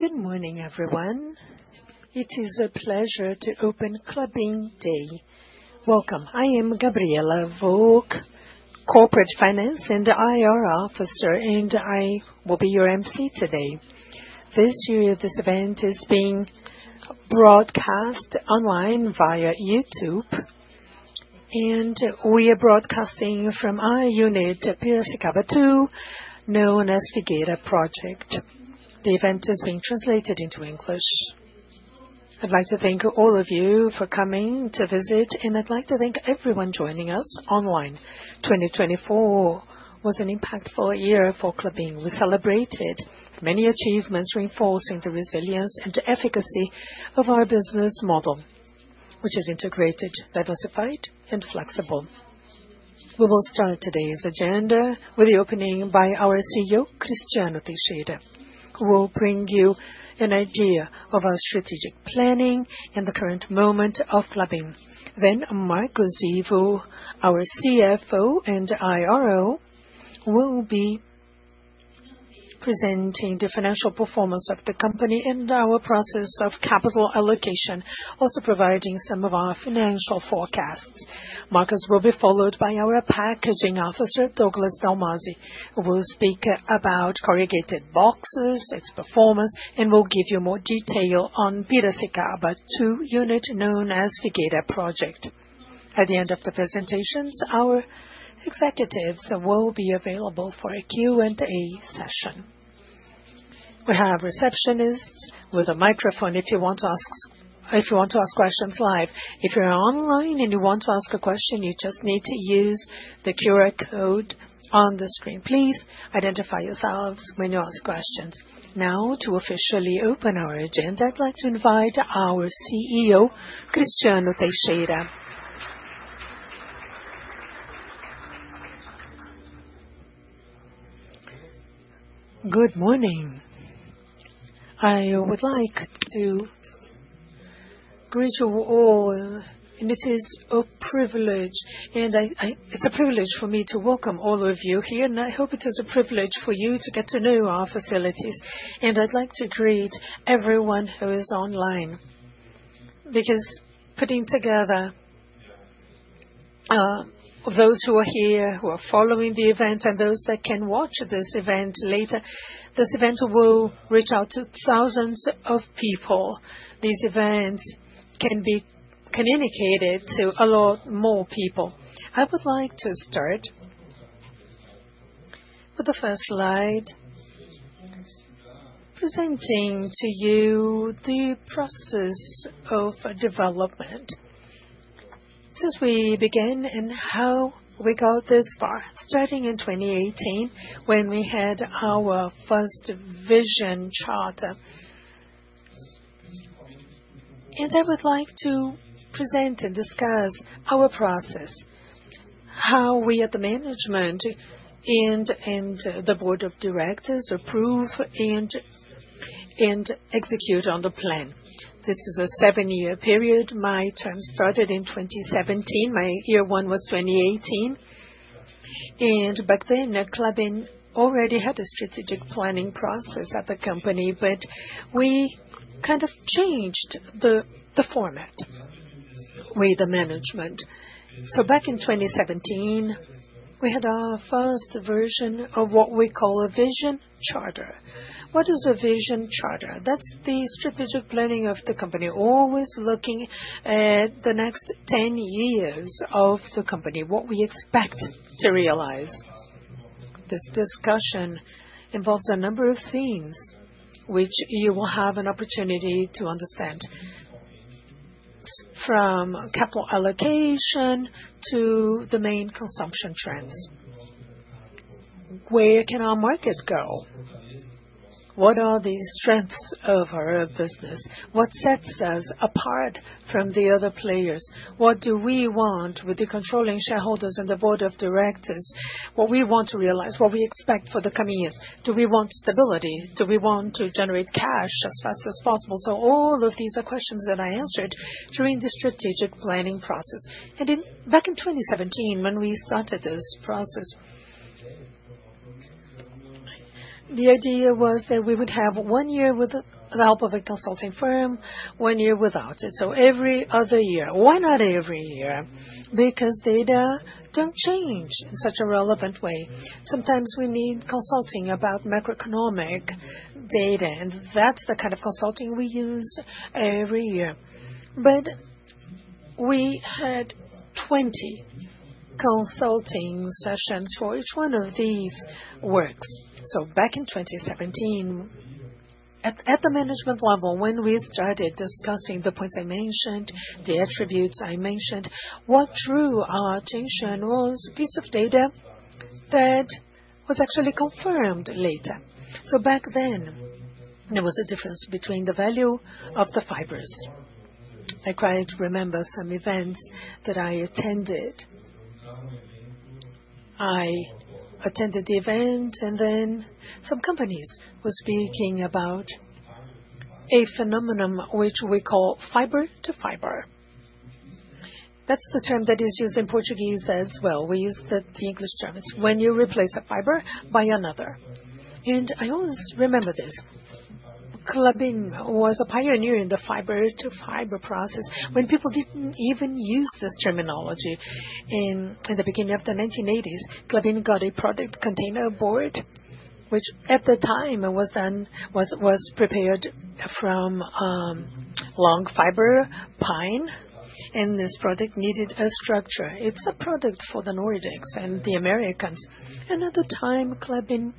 Good morning, everyone. It is a pleasure to open Klabin Day. Welcome. I am Gabriela Woge, Corporate Finance and IR Officer, and I will be your MC today. This event is being broadcast online via YouTube, and we are broadcasting from our unit, Piracicaba II, known as Figueira Project. The event is being translated into English. I'd like to thank all of you for coming to visit, and I'd like to thank everyone joining us online. 2024 was an impactful year for Klabin. We celebrated many achievements, reinforcing the resilience and efficacy of our business model, which is integrated, diversified, and flexible. We will start today's agenda with the opening by our CEO, Cristiano Teixeira, who will bring you an idea of our strategic planning in the current moment of Klabin. Then, Marcos Ivo, our CFO and IRO, will be presenting the financial performance of the company and our process of Capital Allocation, also providing some of our financial forecasts. Marcos will be followed by our Packaging Officer, Douglas Dalmasi, who will speak about corrugated boxes, its performance, and will give you more detail on Piracicaba II, unit known as Figueira Project. At the end of the presentations, our executives will be available for a Q&A session. We have receptionists with a microphone if you want to ask questions live. If you're online and you want to ask a question, you just need to use the QR code on the screen. Please identify yourselves when you ask questions. Now, to officially open our agenda, I'd like to invite our CEO, Cristiano Teixeira. Good morning. I would like to greet you all, and it is a privilege, and it's a privilege for me to welcome all of you here, and I hope it is a privilege for you to get to know our facilities, and I'd like to greet everyone who is online because putting together those who are here, who are following the event, and those that can watch this event later, this event will reach out to thousands of people. These events can be communicated to a lot more people. I would like to start with the first slide, presenting to you the process of development since we began and how we got this far, starting in 2018 when we had our first Vision Charter, and I would like to present and discuss our process, how we at the management and the board of directors approve and execute on the plan. This is a seven-year period. My term started in 2017. My year one was 2018. And back then, Klabin already had a strategic planning process at the company, but we kind of changed the format with the management. So back in 2017, we had our first version of what we call a Vision Charter. What is a Vision Charter? That's the strategic planning of the company, always looking at the next 10 years of the company, what we expect to realize. This discussion involves a number of themes which you will have an opportunity to understand, from Capital Allocation to the main consumption trends. Where can our market go? What are the strengths of our business? What sets us apart from the other players? What do we want with the controlling shareholders and the board of directors? What we want to realize, what we expect for the coming years? Do we want stability? Do we want to generate cash as fast as possible? So all of these are questions that I answered during the strategic planning process. And back in 2017, when we started this process, the idea was that we would have one year with the help of a consulting firm, one year without it. So every other year. Why not every year? Because data don't change in such a relevant way. Sometimes we need consulting about macroeconomic data, and that's the kind of consulting we use every year. But we had 20 consulting sessions for each one of these works. So back in 2017, at the management level, when we started discussing the points I mentioned, the attributes I mentioned, what drew our attention was a piece of data that was actually confirmed later. So back then, there was a difference between the value of the fibers. I quite remember some events that I attended. I attended the event, and then some companies were speaking about a phenomenon which we call fiber-to-fiber. That's the term that is used in Portuguese as well. We use the English term is when you replace a fiber by another, and I always remember this. Klabin was a pioneer in the fiber-to-fiber process when people didn't even use this terminology. In the beginning of the 1980s, Klabin got a product containerboard, which at the time was prepared from long fiber pine, and this product needed a structure. It's a product for the Nordics and the Americans. And at the time, Klabin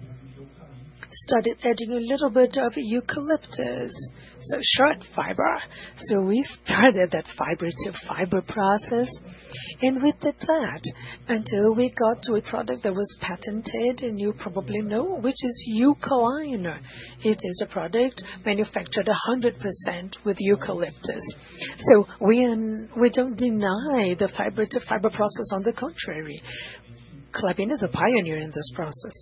started adding a little bit of eucalyptus, so short fiber. So we started that fiber-to-fiber process, and we did that until we got to a product that was patented, and you probably know, which is Eukaliner. It is a product manufactured 100% with eucalyptus, so we don't deny the fiber-to-fiber process. On the contrary, Klabin is a pioneer in this process.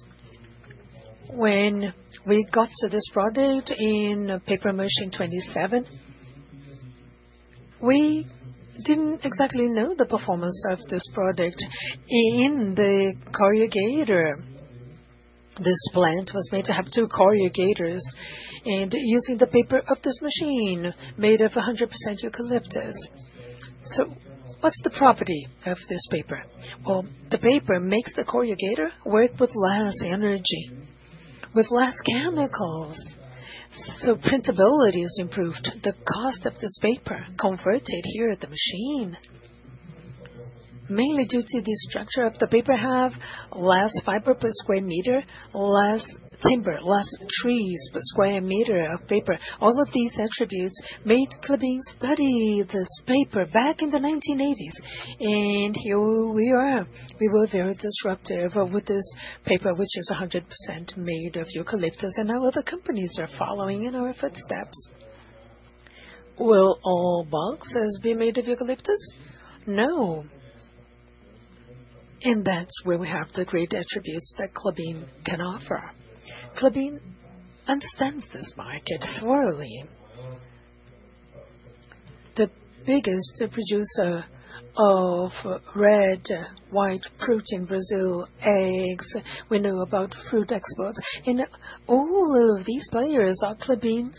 When we got to this product in paper machine 27, we didn't exactly know the performance of this product. In the corrugator, this plant was made to have two corrugators and using the paper of this machine made of 100% eucalyptus, so what's the property of this paper? Well, the paper makes the corrugator work with less energy, with less chemicals, so printability is improved. The cost of this paper converted here at the machine, mainly due to the structure of the paper, have less fiber per square meter, less timber, less trees per square meter of paper. All of these attributes made Klabin study this paper back in the 1980s, and here we are. We were very disruptive with this paper, which is 100% made of eucalyptus, and now other companies are following in our footsteps. Will all boxes be made of eucalyptus? No, and that's where we have the great attributes that Klabin can offer. Klabin understands this market thoroughly. The biggest producer of red, white protein, Brazil eggs. We know about fruit exports, and all of these players are Klabin's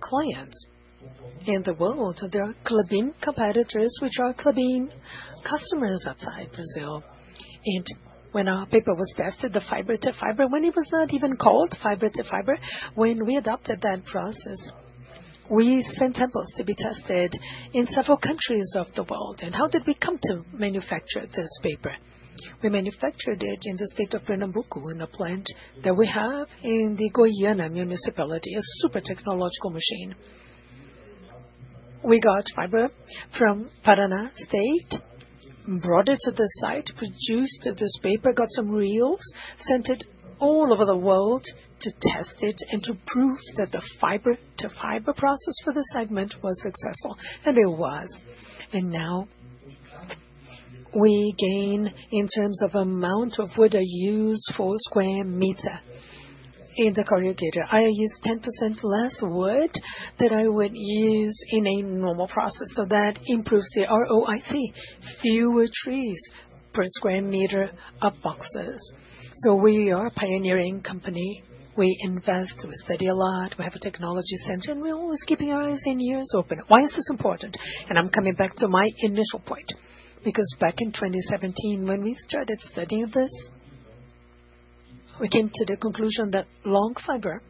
clients in the world. There are Klabin competitors which are Klabin customers outside Brazil, and when our paper was tested, the fiber-to-fiber, when it was not even called fiber-to-fiber, when we adopted that process, we sent samples to be tested in several countries of the world, and how did we come to manufacture this paper? We manufactured it in the state of Pernambuco in a plant that we have in the Goiana Municipality, a super technological machine. We got fiber from Paraná State, brought it to the site, produced this paper, got some reels, sent it all over the world to test it and to prove that the fiber-to-fiber process for this segment was successful. And it was. And now we gain, in terms of amount of wood I use for square meter in the corrugator, I use 10% less wood than I would use in a normal process. So that improves the ROIC, fewer trees per square meter of boxes. So we are a pioneering company. We invest, we study a lot, we have a technology center, and we're always keeping our eyes and ears open. Why is this important? And I'm coming back to my initial point because back in 2017, when we started studying this, we came to the conclusion that long fiber,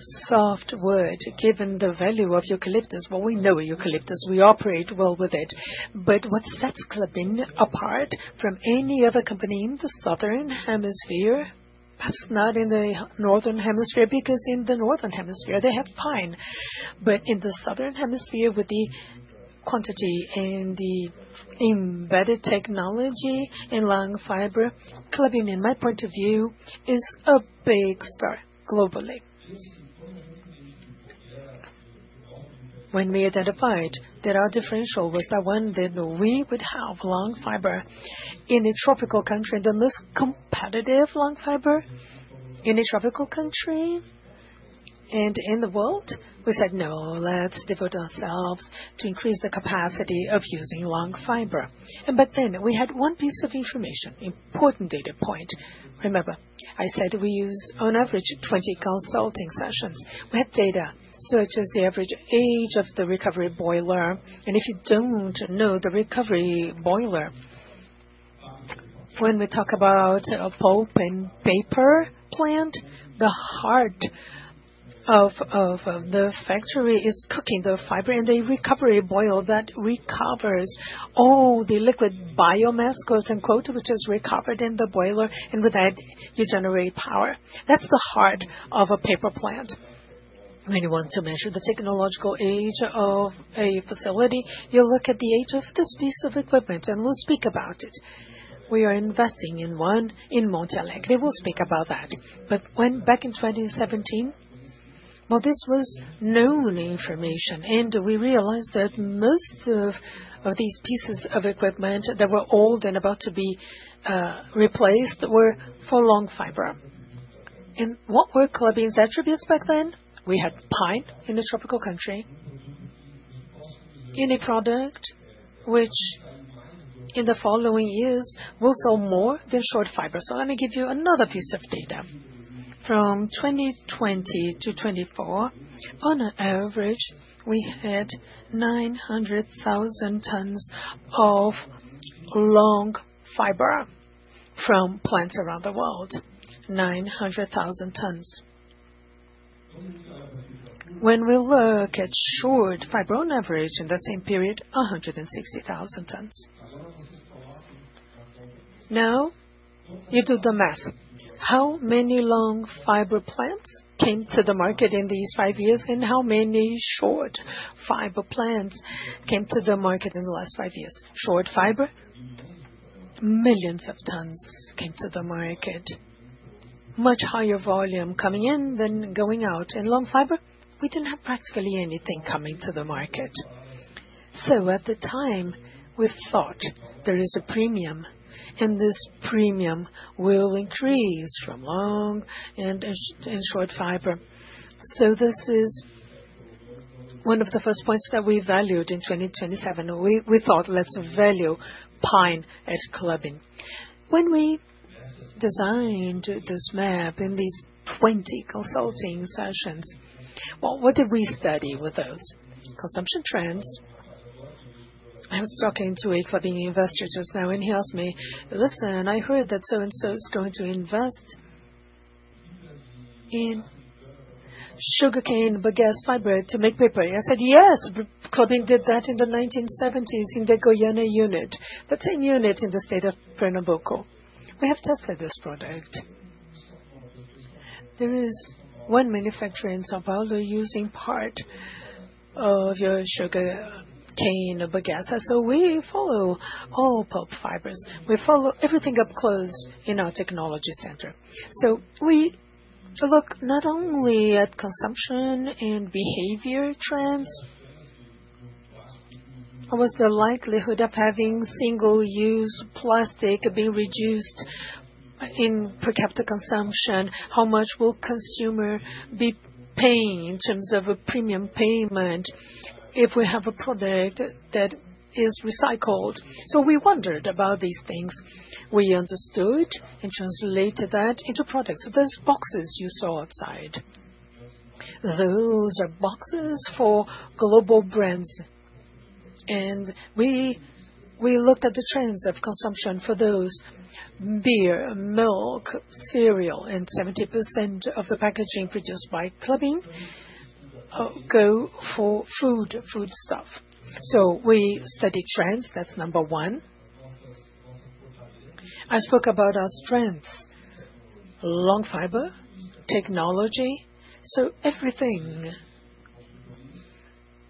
softwood, given the value of eucalyptus, well, we know eucalyptus. We operate well with it. But what sets Klabin apart from any other company in the southern hemisphere, perhaps not in the northern hemisphere because in the northern hemisphere, they have pine. But in the southern hemisphere, with the quantity and the embedded technology in long fiber, Klabin, in my point of view, is a big star globally. When we identified that our differential was that one that we would have long fiber in a tropical country, the most competitive long fiber in a tropical country and in the world, we said, "No, let's devote ourselves to increase the capacity of using long fiber." And back then, we had one piece of information, important data point. Remember, I said we use on average 20 consulting sessions. We have data such as the average age of the Recovery Boiler. If you don't know the recovery boiler, when we talk about pulp and paper plant, the heart of the factory is cooking the fiber in the recovery boiler that recovers all the liquid biomass, quote unquote, which is recovered in the boiler. And with that, you generate power. That's the heart of a paper plant. When you want to measure the technological age of a facility, you look at the age of this piece of equipment and we'll speak about it. We are investing in one in Monte Alegre. They will speak about that. But back in 2017, well, this was known information, and we realized that most of these pieces of equipment that were old and about to be replaced were for long fiber. And what were Klabin's attributes back then? We had pine in a tropical country, any product which in the following years will sell more than short fiber. So let me give you another piece of data. From 2020 to 2024, on average, we had 900,000 tons of long fiber from plants around the world, 900,000 tons. When we look at short fiber on average in that same period, 160,000 tons. Now, you do the math. How many long fiber plants came to the market in these five years, and how many short fiber plants came to the market in the last five years? Short fiber, millions of tons came to the market, much higher volume coming in than going out. And long fiber, we didn't have practically anything coming to the market. So at the time, we thought there is a premium, and this premium will increase from long and short fiber. This is one of the first points that we valued in 2027. We thought, "Let's value pine at Klabin." When we designed this map in these 20 consulting sessions, well, what did we study with those? Consumption trends. I was talking to a Klabin investor just now, and he asked me, "Listen, I heard that so-and-so is going to invest in sugarcane and bagasse fiber to make paper." I said, "Yes, Klabin did that in the 1970s in the Goiana unit, that same unit in the state of Pernambuco. We have tested this product. There is one manufacturer in São Paulo using part of your sugar cane or bagasse." So we follow all pulp fibers. We follow everything up close in our technology center. So we look not only at consumption and behavior trends. What's the likelihood of having single-use plastic being reduced in per capita consumption? How much will consumer be paying in terms of a premium payment if we have a product that is recycled? So we wondered about these things. We understood and translated that into products. So those boxes you saw outside, those are boxes for global brands. And we looked at the trends of consumption for those beer, milk, cereal, and 70% of the packaging produced by Klabin go for food, foodstuff. So we study trends. That's number one. I spoke about our strengths, long fiber technology. So everything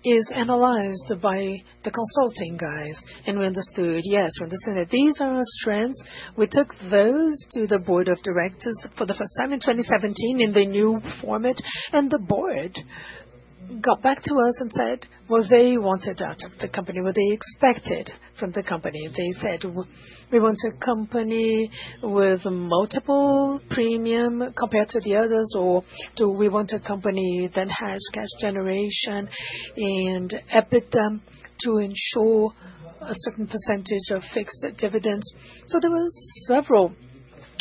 is analyzed by the consulting guys. And we understood, yes, we understand that these are our strengths. We took those to the board of directors for the first time in 2017 in the new format. And the board got back to us and said, "What they wanted out of the company, what they expected from the company." They said, "We want a company with multiple premium compared to the others, or do we want a company that has cash generation and EBITDA to ensure a certain percentage of fixed dividends?" So there were several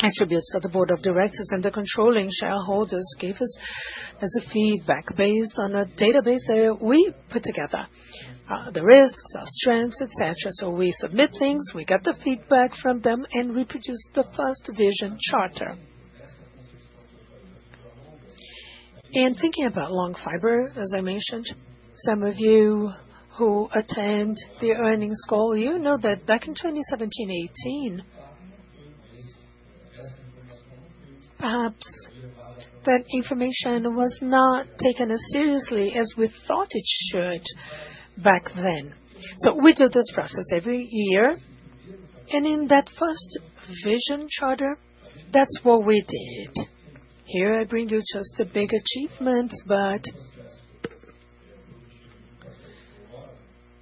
attributes that the board of directors and the controlling shareholders gave us as a feedback based on a database that we put together, the risks, our strengths, etc. So we submit things, we got the feedback from them, and we produced the first Vision Charter. And thinking about Long Fiber, as I mentioned, some of you who attend the earnings call, you know that back in 2017, 2018, perhaps that information was not taken as seriously as we thought it should back then. So we do this process every year. In that first Vision Charter, that's what we did. Here I bring you just the big achievements, but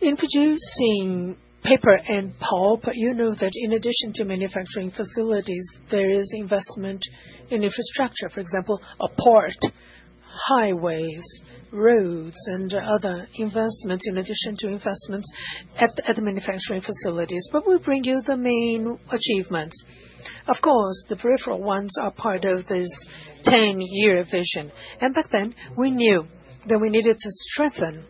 introducing paper and pulp, you know that in addition to manufacturing facilities, there is investment in infrastructure. For example, a port, highways, roads, and other investments in addition to investments at the manufacturing facilities. We bring you the main achievements. Of course, the peripheral ones are part of this 10-year vision. Back then, we knew that we needed to strengthen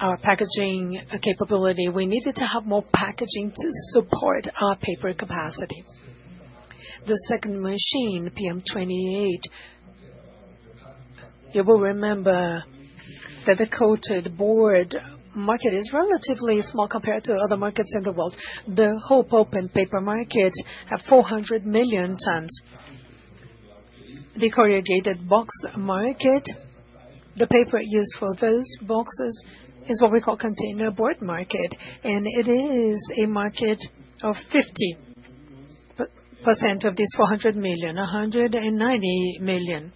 our packaging capability. We needed to have more packaging to support our paper capacity. The second machine, PM28, you will remember that the coated board market is relatively small compared to other markets in the world. The whole pulp and paper market have 400 million tons. The corrugated box market, the paper used for those boxes is what we call containerboard market. It is a market of 50% of these 400 million, 190 million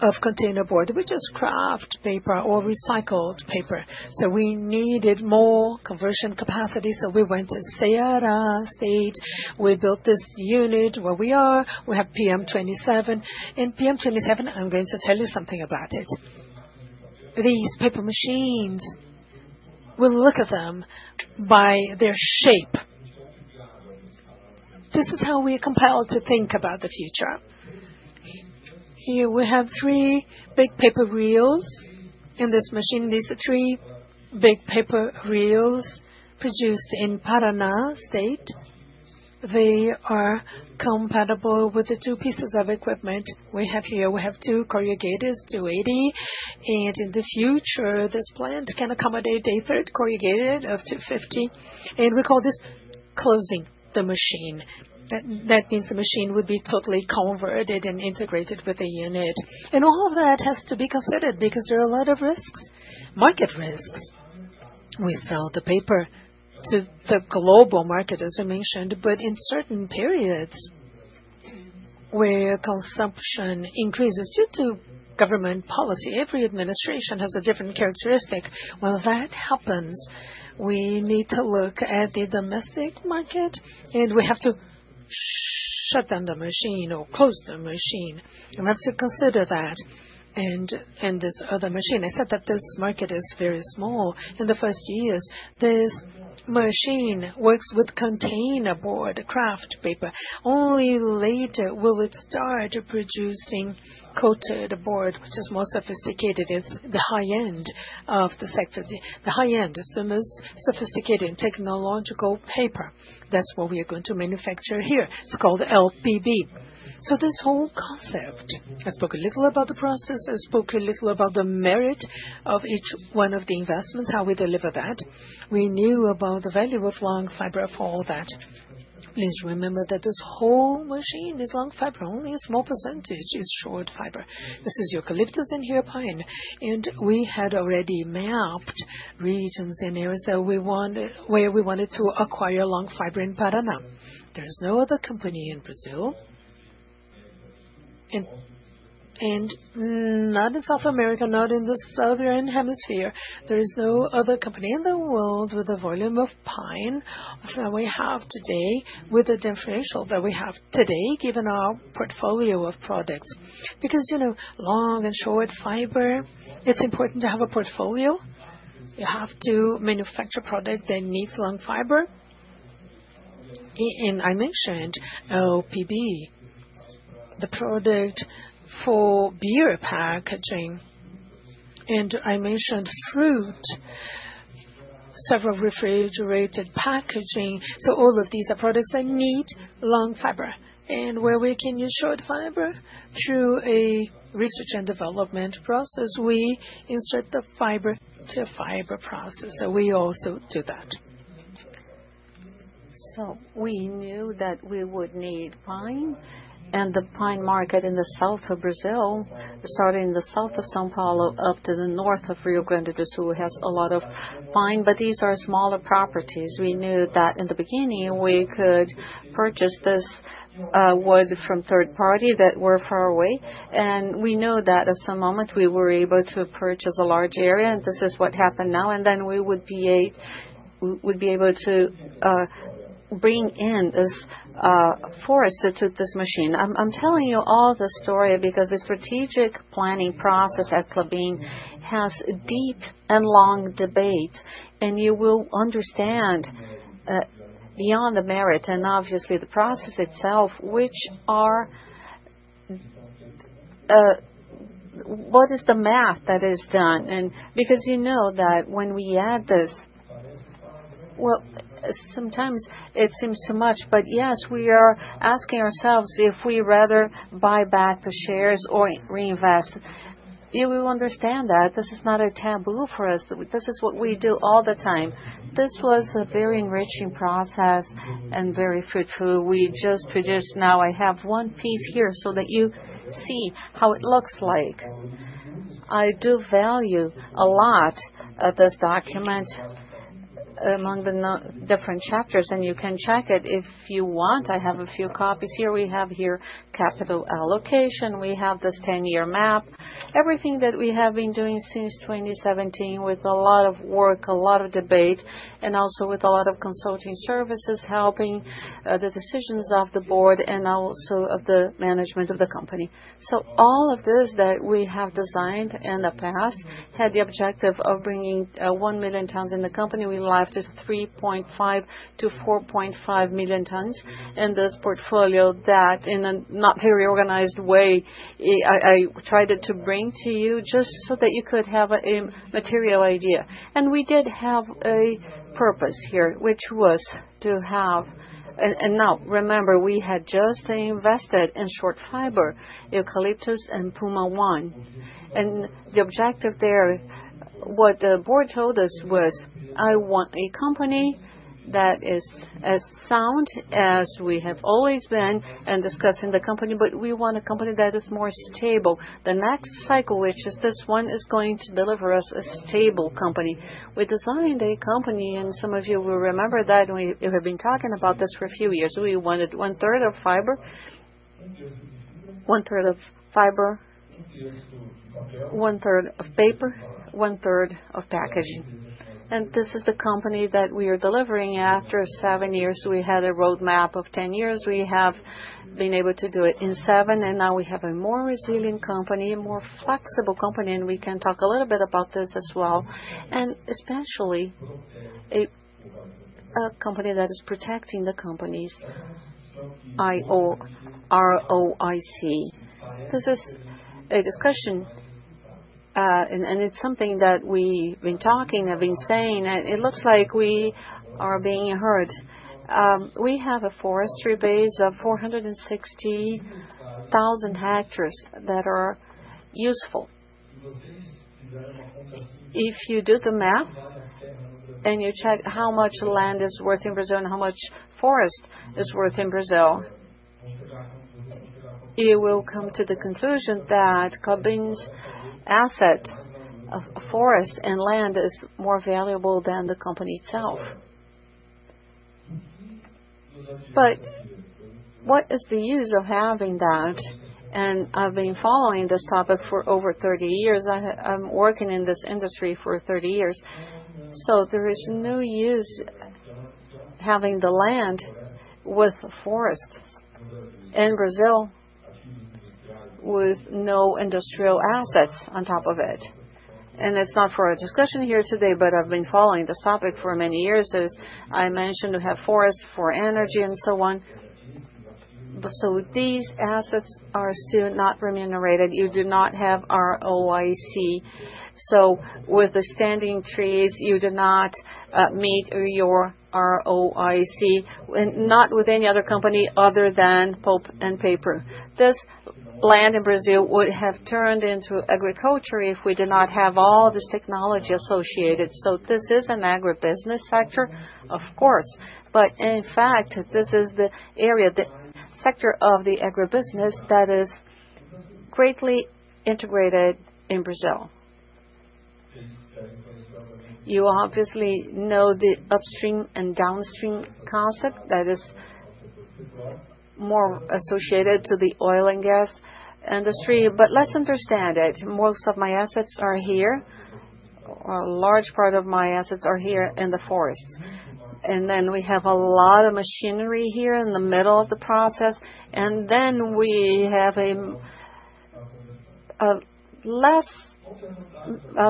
of containerboard, which is kraft paper or recycled paper. We needed more conversion capacity. We went to Ceará State. We built this unit where we are. We have PM27. In PM27, I'm going to tell you something about it. These paper machines, we look at them by their shape. This is how we are compelled to think about the future. Here we have three big paper reels in this machine. These are three big paper reels produced in Paraná State. They are compatible with the two pieces of equipment we have here. We have two corrugators, 280. In the future, this plant can accommodate a third corrugator of 250. We call this closing the machine. That means the machine would be totally converted and integrated with the unit. All of that has to be considered because there are a lot of risks, market risks. We sell the paper to the global market, as I mentioned, but in certain periods where consumption increases due to government policy, every administration has a different characteristic. When that happens, we need to look at the domestic market, and we have to shut down the machine or close the machine. We have to consider that. In this other machine, I said that this market is very small. In the first years, this machine works with containerboard, kraft paper. Only later will it start producing coated board, which is more sophisticated. It's the high end of the sector. The high end is the most sophisticated technological paper. That's what we are going to manufacture here. It's called LPB. This whole concept, I spoke a little about the process. I spoke a little about the merit of each one of the investments, how we deliver that. We knew about the value of long fiber for all that. Please remember that this whole machine, this long fiber, only a small percentage is short fiber. This is eucalyptus and here pine. And we had already mapped regions and areas that we wanted to acquire long fiber in Paraná. There is no other company in Brazil. And not in South America, not in the southern hemisphere. There is no other company in the world with the volume of pine that we have today, with the differential that we have today, given our portfolio of products. Because long and short fiber, it's important to have a portfolio. You have to manufacture product that needs long fiber. And I mentioned LPB, the product for beer packaging. And I mentioned fruit, several refrigerated packaging. All of these are products that need long fiber. Where we can use short fiber, through a research and development process, we insert the fiber-to-fiber process. We also do that. We knew that we would need pine. The pine market in the south of Brazil, starting in the south of São Paulo up to the north of Rio Grande do Sul, has a lot of pine. These are smaller properties. We knew that in the beginning, we could purchase this wood from third parties that were far away. We know that at some moment, we were able to purchase a large area. This is what happened now. Then we would be able to bring in this forestry to this machine. I'm telling you all the story because the strategic planning process at Klabin has deep and long debates. You will understand beyond the merit and obviously the process itself, which are what is the math that is done. Because you know that when we add this, well, sometimes it seems too much. Yes, we are asking ourselves if we rather buy back the shares or reinvest. You will understand that this is not a taboo for us. This is what we do all the time. This was a very enriching process and very fruitful. We just produced now. I have one piece here so that you see how it looks like. I do value a lot of this document among the different chapters. You can check it if you want. I have a few copies here. We have here capital allocation. We have this 10-year map. Everything that we have been doing since 2017 with a lot of work, a lot of debate, and also with a lot of consulting services helping the decisions of the board and also of the management of the company. So all of this that we have designed in the past had the objective of bringing one million tons in the company. We live to 3.5 million-4.5 million tons in this portfolio that in a not very organized way, I tried to bring to you just so that you could have a material idea. And we did have a purpose here, which was to have. And now, remember, we had just invested in short fiber, eucalyptus, and Puma I. The objective there, what the board told us was, "I want a company that is as sound as we have always been and discussing the company, but we want a company that is more stable. The next cycle, which is this one, is going to deliver us a stable company." We designed a company, and some of you will remember that. We have been talking about this for a few years. We wanted one-third of fiber, one-third of paper, one-third of packaging. This is the company that we are delivering after seven years. We had a roadmap of 10 years. We have been able to do it in seven. Now we have a more resilient company, a more flexible company. We can talk a little bit about this as well. Especially a company that is protecting the companies, ROIC. This is a discussion, and it's something that we've been talking, have been saying, and it looks like we are being heard. We have a forestry base of 460,000 hectares that are useful. If you do the math and you check how much land is worth in Brazil and how much forest is worth in Brazil, you will come to the conclusion that Klabin's asset of forest and land is more valuable than the company itself. But what is the use of having that? And I've been following this topic for over 30 years. I'm working in this industry for 30 years. So there is no use having the land with forest in Brazil with no industrial assets on top of it. And it's not for a discussion here today, but I've been following this topic for many years. As I mentioned, we have forest for energy and so on. So these assets are still not remunerated. You do not have ROIC. So with the standing trees, you do not meet your ROIC, not with any other company other than pulp and paper. This land in Brazil would have turned into agriculture if we did not have all this technology associated. So this is an agribusiness sector, of course. But in fact, this is the area, the sector of the agribusiness that is greatly integrated in Brazil. You obviously know the upstream and downstream concept that is more associated to the oil and gas industry, but let's understand it. Most of my assets are here. A large part of my assets are here in the forests. And then we have a lot of machinery here in the middle of the process. And then we have less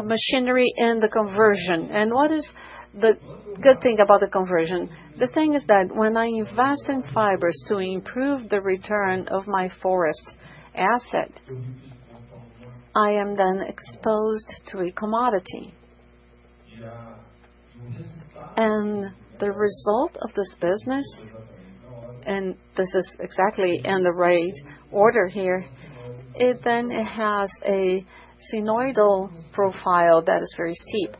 machinery in the conversion. And what is the good thing about the conversion? The thing is that when I invest in fibers to improve the return of my forest asset, I am then exposed to a commodity, and the result of this business, and this is exactly in the right order here, it then has a sinusoidal profile that is very steep.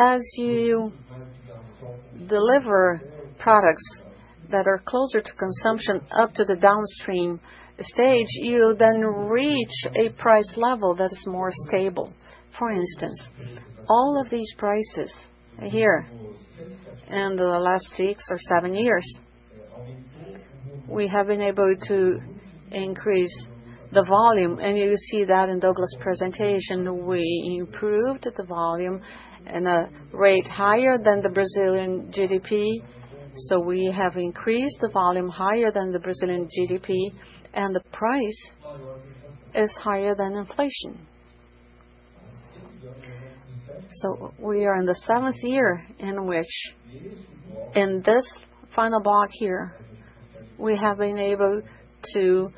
As you deliver products that are closer to consumption up to the downstream stage, you then reach a price level that is more stable. For instance, all of these prices here, in the last six or seven years, we have been able to increase the volume, and you see that in Douglas' presentation. We improved the volume in a rate higher than the Brazilian GDP, so we have increased the volume higher than the Brazilian GDP, and the price is higher than inflation. We are in the seventh year in which, in this final block here, we have been able to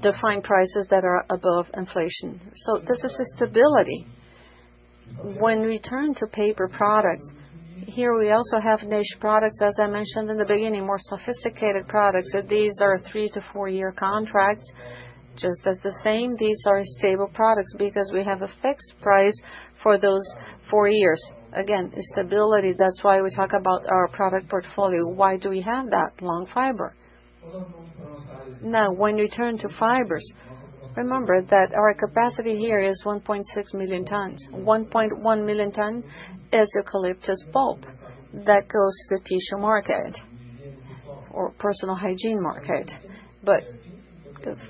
define prices that are above inflation. This is a stability. When we turn to paper products, here we also have niche products, as I mentioned in the beginning, more sophisticated products. These are three- to four-year contracts. Just as the same, these are stable products because we have a fixed price for those four years. Again, stability. That's why we talk about our product portfolio. Why do we have that? Long fiber. Now, when we turn to fibers, remember that our capacity here is 1.6 million tons. 1.1 million tons is eucalyptus pulp that goes to the tissue market or personal hygiene market. But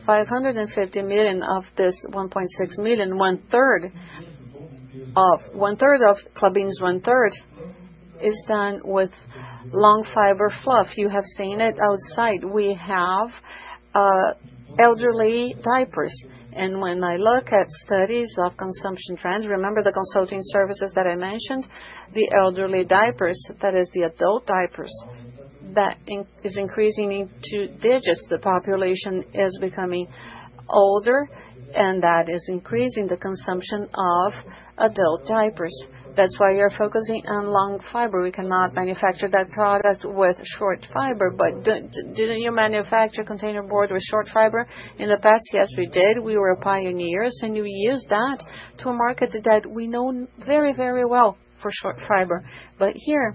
550 million of this 1.6 million, one-third of Klabin's one-third, is done with long fiber fluff. You have seen it outside. We have elderly diapers. When I look at studies of consumption trends, remember the consulting services that I mentioned, the elderly diapers, that is, the adult diapers, that is increasing in two digits. The population is becoming older, and that is increasing the consumption of adult diapers. That's why you're focusing on long fiber. We cannot manufacture that product with short fiber. But didn't you manufacture container board with short fiber in the past? Yes, we did. We were pioneers. You used that to a market that we know very, very well for short fiber. But here,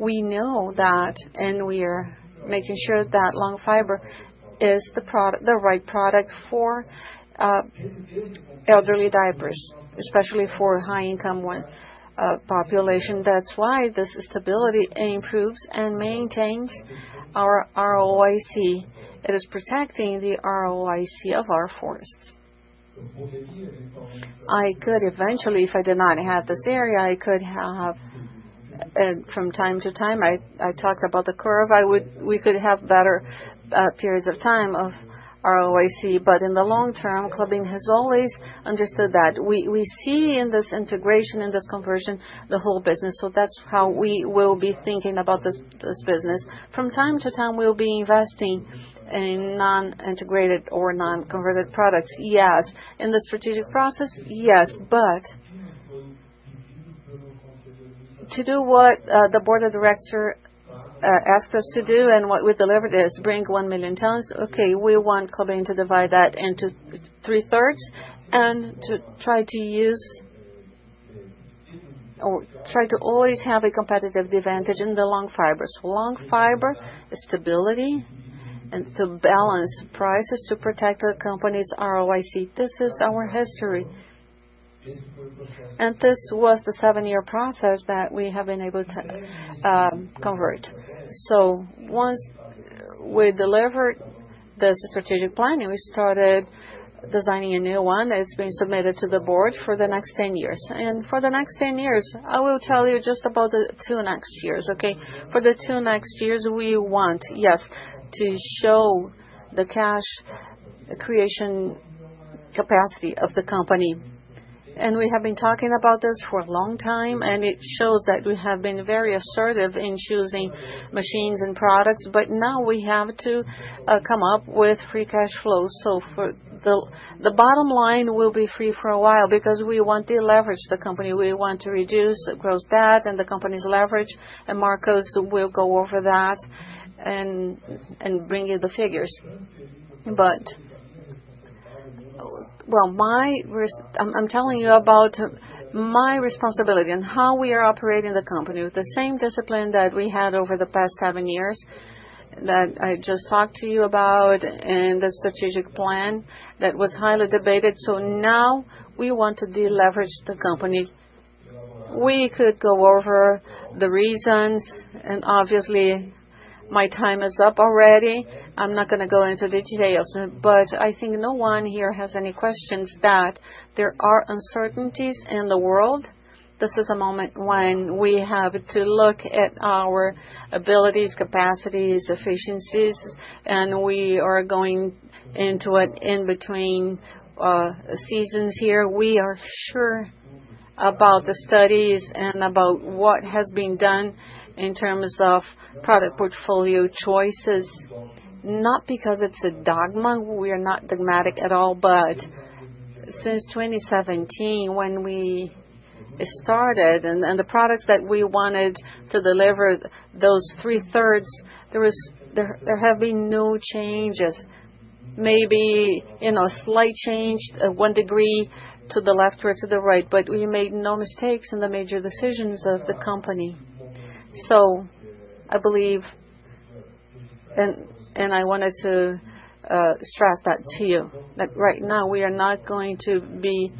we know that, and we are making sure that long fiber is the right product for elderly diapers, especially for high-income population. That's why this stability improves and maintains our ROIC. It is protecting the ROIC of our forests. I could eventually, if I did not have this area, I could have, from time to time, I talked about the curve, we could have better periods of time of ROIC. But in the long term, Klabin has always understood that. We see in this integration, in this conversion, the whole business. So that's how we will be thinking about this business. From time to time, we'll be investing in non-integrated or non-converted products. Yes. In the strategic process, yes. But to do what the board of directors asked us to do and what we delivered is bring one million tons. Okay, we want Klabin to divide that into three-thirds and to try to use or try to always have a competitive advantage in the long fiber. So long fiber, stability, and to balance prices to protect the company's ROIC. This is our history. This was the seven-year process that we have been able to convert. Once we delivered this strategic planning, we started designing a new one that's being submitted to the board for the next 10 years. For the next 10 years, I will tell you just about the two next years. Okay? For the two next years, we want, yes, to show the cash creation capacity of the company. We have been talking about this for a long time, and it shows that we have been very assertive in choosing machines and products. Now we have to come up with Free Cash Flow. The bottom line will be free for a while because we want to leverage the company. We want to reduce gross debt, and the company's leverage and Marcos will go over that and bring you the figures. But I'm telling you about my responsibility and how we are operating the company with the same discipline that we had over the past seven years that I just talked to you about and the strategic plan that was highly debated. So now we want to deleverage the company. We could go over the reasons. And obviously, my time is up already. I'm not going to go into the details. But I think no one here has any questions that there are uncertainties in the world. This is a moment when we have to look at our abilities, capacities, efficiencies, and we are going into an in-between seasons here. We are sure about the studies and about what has been done in terms of product portfolio choices, not because it's a dogma. We are not dogmatic at all. But since 2017, when we started, and the products that we wanted to deliver, those three-thirds, there have been no changes. Maybe a slight change, one degree to the left or to the right, but we made no mistakes in the major decisions of the company. So I believe, and I wanted to stress that to you, that right now we are not going to be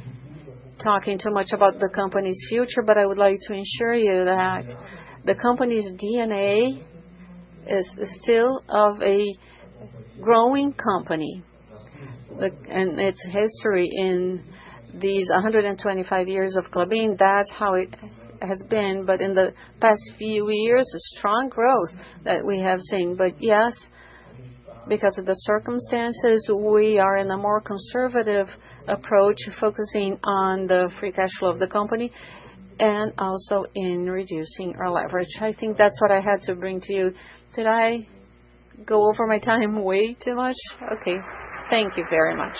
talking too much about the company's future, but I would like to ensure you that the company's DNA is still of a growing company. And its history in these 125 years of Klabin, that's how it has been. But in the past few years, strong growth that we have seen. But yes, because of the circumstances, we are in a more conservative approach, focusing on the free cash flow of the company and also in reducing our leverage. I think that's what I had to bring to you. Did I go over my time way too much? Okay. Thank you very much.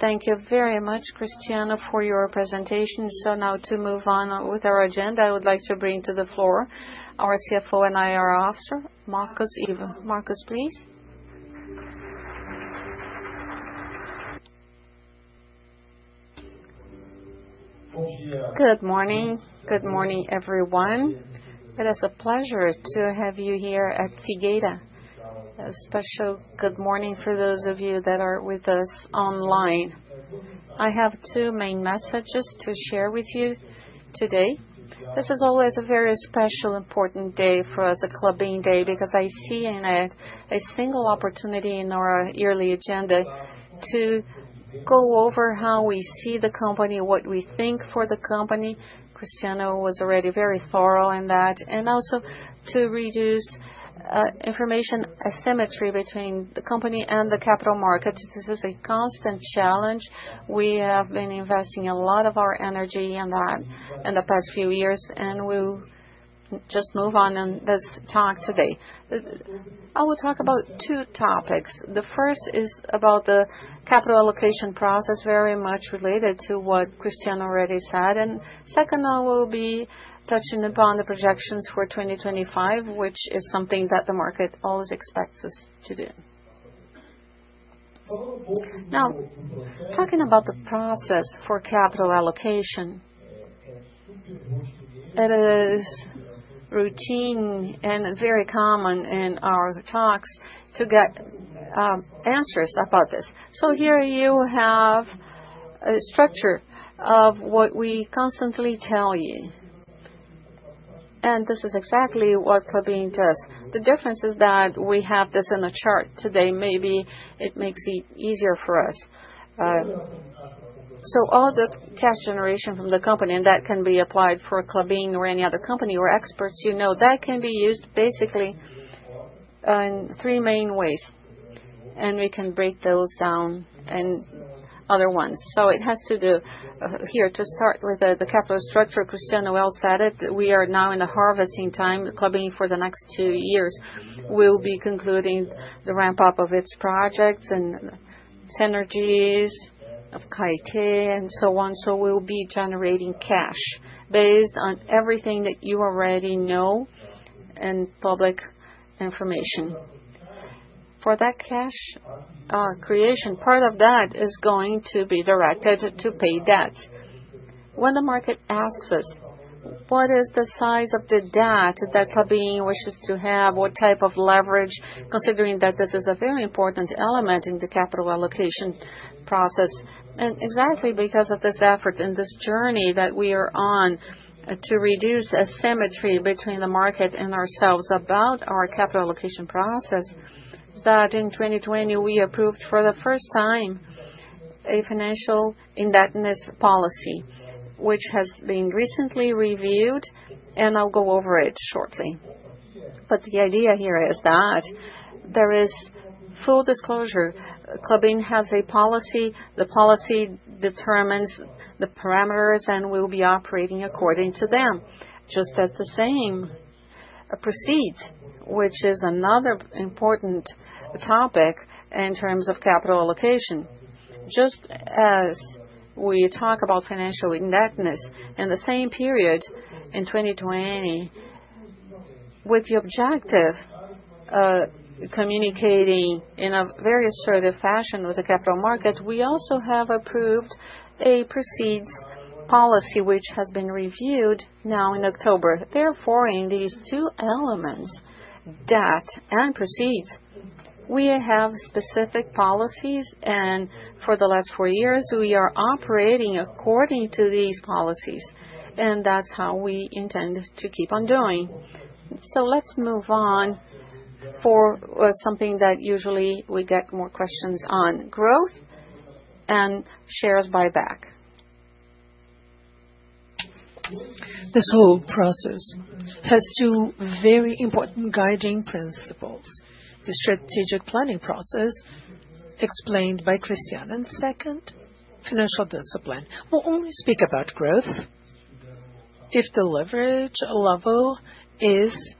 Thank you very much, Cristiano, for your presentation. So now to move on with our agenda, I would like to bring to the floor our CFO and IR Officer, Marcos Ivo. Marcos, please. Good morning. Good morning, everyone. It is a pleasure to have you here at Figueira. A special good morning for those of you that are with us online. I have two main messages to share with you today. This is always a very special, important day for us, a Klabin day, because I see in it a single opportunity in our yearly agenda to go over how we see the company, what we think for the company. Cristiano was already very thorough in that. Also to reduce information asymmetry between the company and the capital market. This is a constant challenge. We have been investing a lot of our energy in that in the past few years. We'll just move on in this talk today. I will talk about two topics. The first is about the capital allocation process, very much related to what Cristiano already said. Second, I will be touching upon the projections for 2025, which is something that the market always expects us to do. Now, talking about the process for capital allocation, it is routine and very common in our talks to get answers about this. So here you have a structure of what we constantly tell you. And this is exactly what Klabin does. The difference is that we have this in a chart today. Maybe it makes it easier for us. All the cash generation from the company, and that can be applied to Klabin or any other company or aspect, you know, that can be used basically in three main ways. We can break those down into other ones. It has to do here to start with the capital structure. Cristiano well said it. We are now in the harvesting time. Klabin, for the next two years, will be concluding the ramp-up of its projects and synergies of Caetê and so on. We'll be generating cash based on everything that you already know and public information. For that cash generation, part of that is going to be directed to pay debt. When the market asks us, what is the size of the debt that Klabin wishes to have, what type of leverage, considering that this is a very important element in the capital allocation process? And exactly because of this effort and this journey that we are on to reduce asymmetry between the market and ourselves about our capital allocation process, in 2020, we approved for the first time a financial indebtedness policy, which has been recently reviewed, and I'll go over it shortly. But the idea here is that there is full disclosure. Klabin has a policy. The policy determines the parameters, and we'll be operating according to them. Just as the same proceeds, which is another important topic in terms of capital allocation. Just as we talk about financial indebtedness in the same period in 2020, with the objective of communicating in a very assertive fashion with the capital market, we also have approved a proceeds policy, which has been reviewed now in October. Therefore, in these two elements, debt and proceeds, we have specific policies, and for the last four years, we are operating according to these policies. And that's how we intend to keep on doing. So let's move on for something that usually we get more questions on: growth and shares buyback. This whole process has two very important guiding principles. The strategic planning process explained by Cristiano and second, financial discipline. We'll only speak about growth if the leverage level is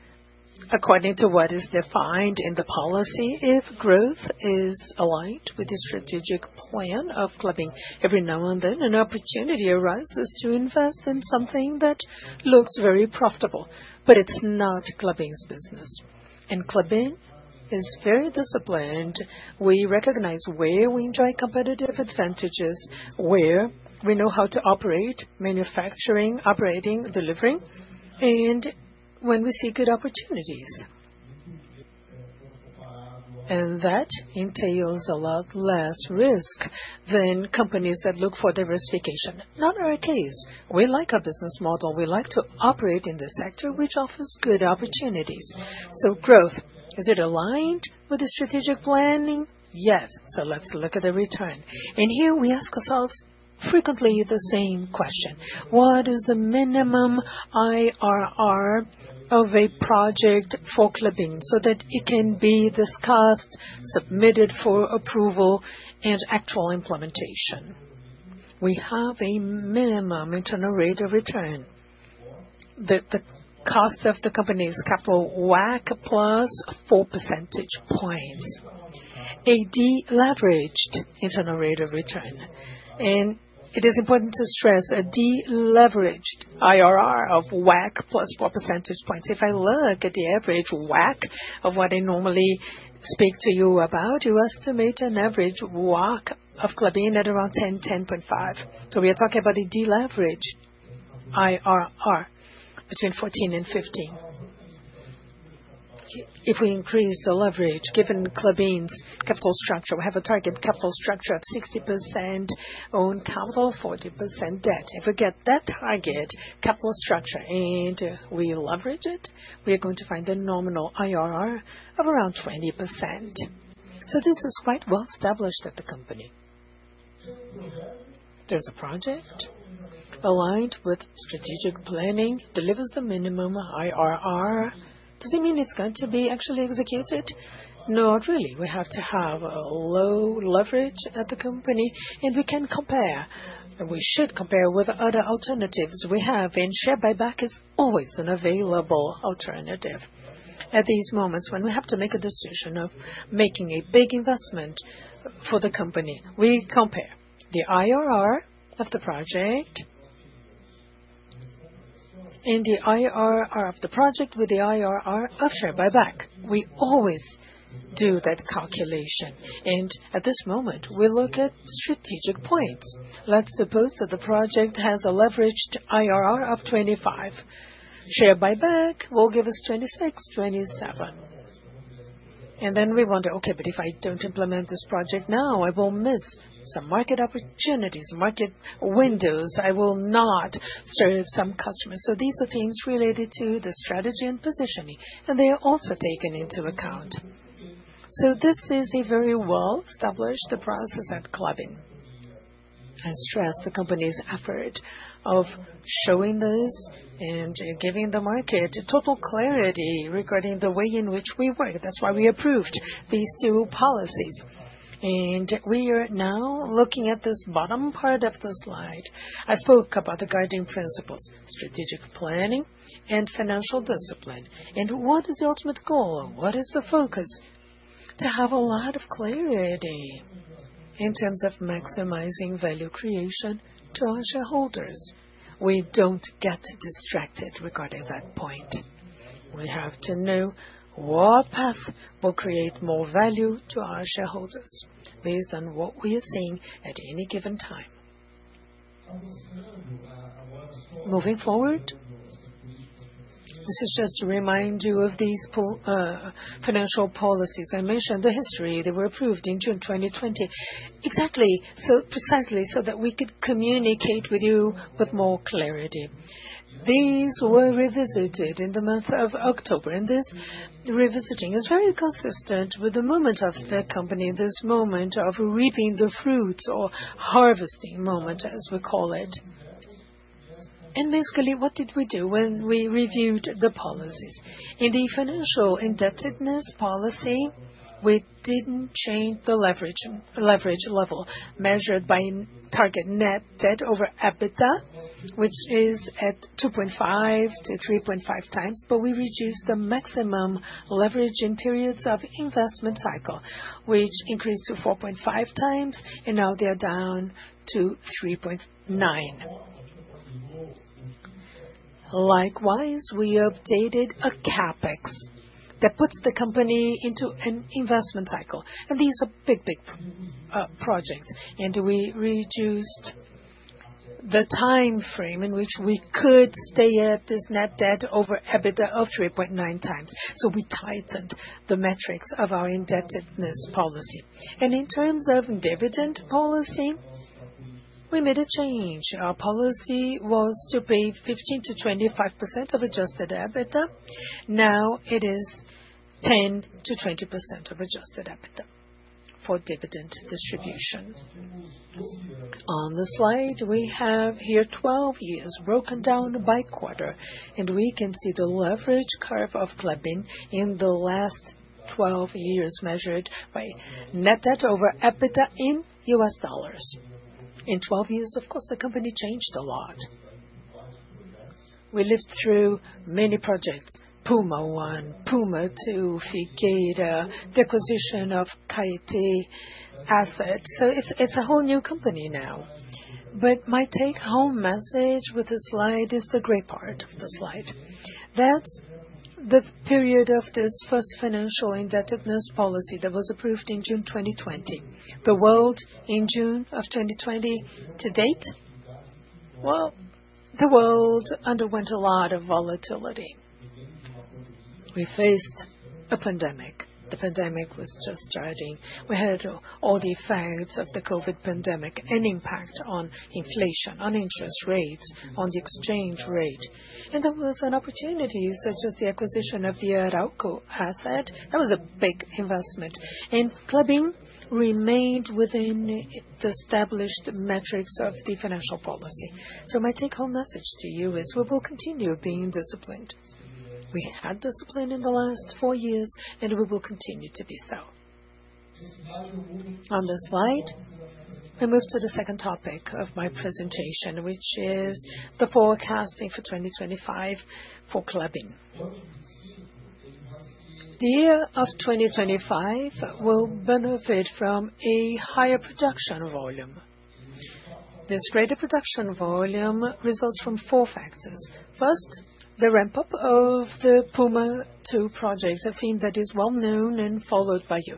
according to what is defined in the policy. If growth is aligned with the strategic plan of Klabin, every now and then, an opportunity arises to invest in something that looks very profitable, but it's not Klabin's business. And Klabin is very disciplined. We recognize where we enjoy competitive advantages, where we know how to operate: manufacturing, operating, delivering, and when we see good opportunities. And that entails a lot less risk than companies that look for diversification. Not our case. We like our business model. We like to operate in the sector which offers good opportunities. So growth, is it aligned with the strategic planning? Yes. So let's look at the return. And here we ask ourselves frequently the same question: what is the minimum IRR of a project for Klabin so that it can be discussed, submitted for approval, and actual implementation? We have a minimum internal rate of return. The cost of the company's capital WACC plus 4 percentage points, a deleveraged internal rate of return. And it is important to stress a deleveraged IRR of WACC plus 4 percentage points. If I look at the average WACC of what I normally speak to you about, you estimate an average WACC of Klabin at around 10-10.5. We are talking about a deleveraged IRR between 14%-15%. If we increase the leverage, given Klabin's capital structure, we have a target capital structure of 60% owned capital, 40% debt. If we get that target capital structure and we leverage it, we are going to find a nominal IRR of around 20%. This is quite well established at the company. There's a project aligned with strategic planning, delivers the minimum IRR. Does it mean it's going to be actually executed? Not really. We have to have a low leverage at the company, and we can compare. We should compare with other alternatives we have. Share buyback is always an available alternative. At these moments, when we have to make a decision of making a big investment for the company, we compare the IRR of the project and the IRR of the project with the IRR of share buyback. We always do that calculation. And at this moment, we look at strategic points. Let's suppose that the project has a leveraged IRR of 25. Share buyback will give us 26, 27. And then we wonder, okay, but if I don't implement this project now, I will miss some market opportunities, market windows. I will not serve some customers. So these are things related to the strategy and positioning, and they are also taken into account. So this is a very well-established process at Klabin. I stress the company's effort of showing this and giving the market total clarity regarding the way in which we work. That's why we approved these two policies. We are now looking at this bottom part of the slide. I spoke about the guiding principles, strategic planning, and financial discipline. What is the ultimate goal? What is the focus? To have a lot of clarity in terms of maximizing value creation to our shareholders. We don't get distracted regarding that point. We have to know what path will create more value to our shareholders based on what we are seeing at any given time. Moving forward, this is just to remind you of these financial policies. I mentioned the history. They were approved in June 2020, exactly so precisely so that we could communicate with you with more clarity. These were revisited in the month of October. This revisiting is very consistent with the moment of the company, this moment of reaping the fruits or harvesting moment, as we call it. Basically, what did we do when we reviewed the policies? In the financial indebtedness policy, we didn't change the leverage level measured by target net debt over EBITDA, which is at 2.5-3.5 times, but we reduced the maximum leverage in periods of investment cycle, which increased to 4.5 times, and now they are down to 3.9. Likewise, we updated a CapEx that puts the company into an investment cycle. These are big, big projects. We reduced the time frame in which we could stay at this net debt over EBITDA of 3.9 times. We tightened the metrics of our indebtedness policy. In terms of dividend policy, we made a change. Our policy was to pay 15%-25% of adjusted EBITDA. Now it is 10%-20% of adjusted EBITDA for dividend distribution. On the slide, we have here 12 years broken down by quarter, and we can see the leverage curve of Klabin in the last 12 years measured by net debt over EBITDA in U.S. dollars. In 12 years, of course, the company changed a lot. We lived through many projects: Puma I, Puma II, Figueira, acquisition of Caetê assets. It's a whole new company now, but my take-home message with this slide is the great part of the slide. That's the period of this first financial indebtedness policy that was approved in June 2020. The world in June of 2020 to date? Well, the world underwent a lot of volatility. We faced a pandemic. The pandemic was just starting. We had all the effects of the COVID pandemic, an impact on inflation, on interest rates, on the exchange rate. There was an opportunity such as the acquisition of the Arauco asset. That was a big investment. And Klabin remained within the established metrics of the financial policy. So my take-home message to you is we will continue being disciplined. We had discipline in the last four years, and we will continue to be so. On the slide, we move to the second topic of my presentation, which is the forecasting for 2025 for Klabin. The year of 2025 will benefit from a higher production volume. This greater production volume results from four factors. First, the ramp-up of the Puma II project, a theme that is well known and followed by you.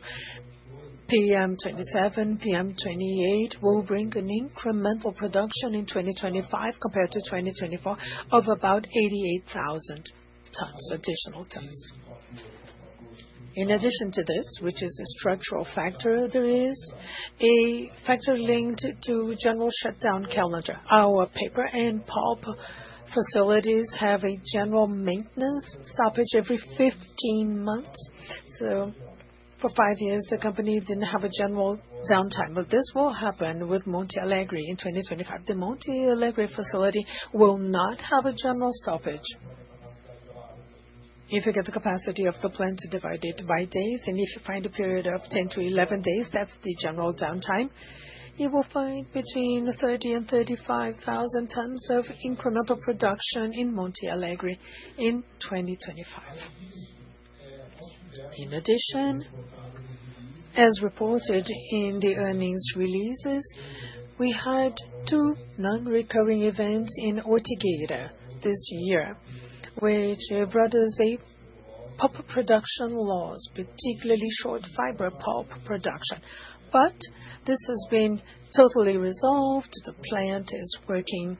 PM27, PM28 will bring an incremental production in 2025 compared to 2024 of about 88,000 tons, additional tons. In addition to this, which is a structural factor, there is a factor linked to general shutdown calendar. Our paper and pulp facilities have a general maintenance stoppage every 15 months. So for five years, the company didn't have a general downtime. But this will happen with Monte Alegre in 2025. The Monte Alegre facility will not have a general stoppage. If you get the capacity of the plant divided by days, and if you find a period of 10 to 11 days, that's the general downtime, you will find between 30 and 35,000 tons of incremental production in Monte Alegre in 2025. In addition, as reported in the earnings releases, we had two non-recurring events in Ortigueira this year, which brought us a pulp production loss, particularly short fiber pulp production. But this has been totally resolved. The plant is working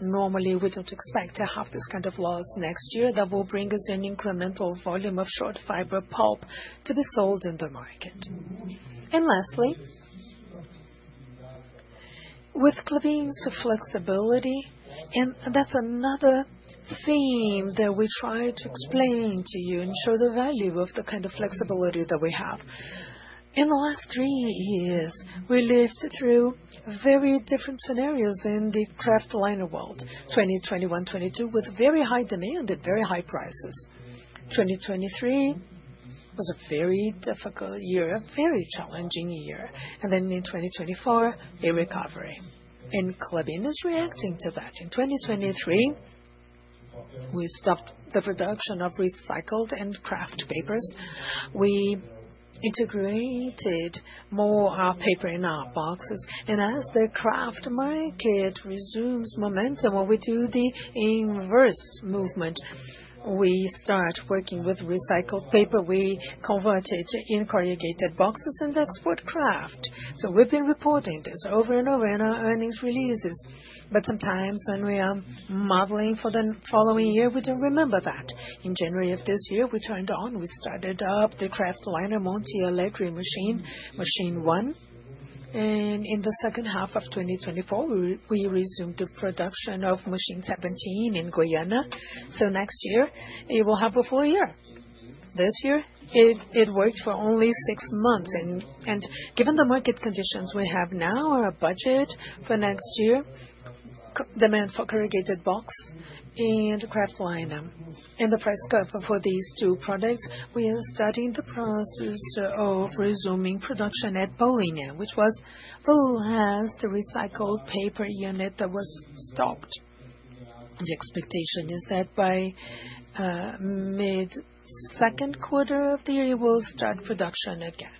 normally. We don't expect to have this kind of loss next year that will bring us an incremental volume of short fiber pulp to be sold in the market. Lastly, with Klabin's flexibility, and that's another theme that we try to explain to you and show the value of the kind of flexibility that we have. In the last three years, we lived through very different scenarios in the kraftliner world, 2021, 2022, with very high demand and very high prices. 2023 was a very difficult year, a very challenging year. Then in 2024, a recovery. Klabin is reacting to that. In 2023, we stopped the production of recycled and kraft papers. We integrated more paper in our boxes. As the kraft market resumes momentum, we do the inverse movement. We start working with recycled paper. We convert it into corrugated boxes, and that's what kraft. So we've been reporting this over and over in our earnings releases. But sometimes when we are modeling for the following year, we don't remember that. In January of this year, we turned on, we started up the kraftliner Monte Alegre machine, machine one. And in the second half of 2024, we resumed the production of machine 17 in Goiana. So next year, it will have a full year. This year, it worked for only six months. And given the market conditions we have now, our budget for next year, demand for corrugated box and kraftliner, and the price curve for these two products, we are starting the process of resuming production at Paulínia, which was the last recycled paper unit that was stopped. The expectation is that by mid-second quarter of the year, we'll start production again.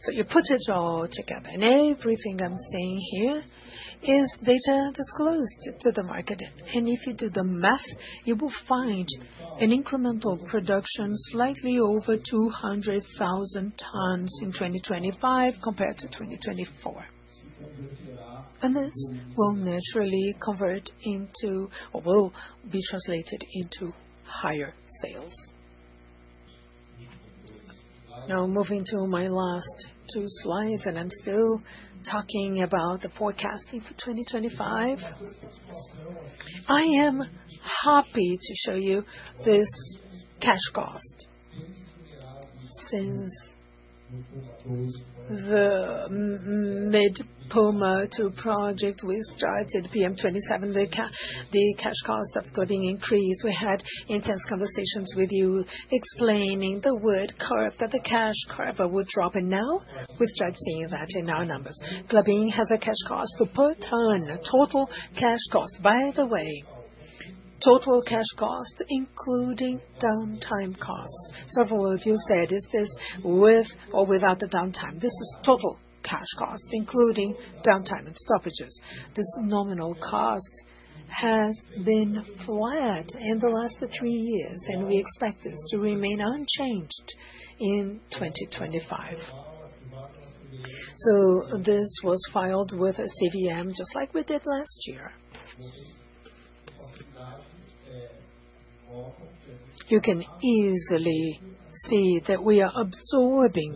So you put it all together. Everything I'm seeing here is data disclosed to the market. If you do the math, you will find an incremental production slightly over 200,000 tons in 2025 compared to 2024. This will naturally convert into or will be translated into higher sales. Now moving to my last two slides, and I'm still talking about the forecasting for 2025. I am happy to show you this cash cost. Since the mid-Puma II project, we started PM27, the cash cost of Klabin increased. We had intense conversations with you explaining the learning curve that the cash curve would drop. Now we start seeing that in our numbers. Klabin has a cash cost per ton, total cash cost. By the way, total cash cost, including downtime costs. Several of you said, is this with or without the downtime? This is total cash cost, including downtime and stoppages. This nominal cost has been flat in the last three years, and we expect this to remain unchanged in 2025, so this was filed with CVM, just like we did last year. You can easily see that we are absorbing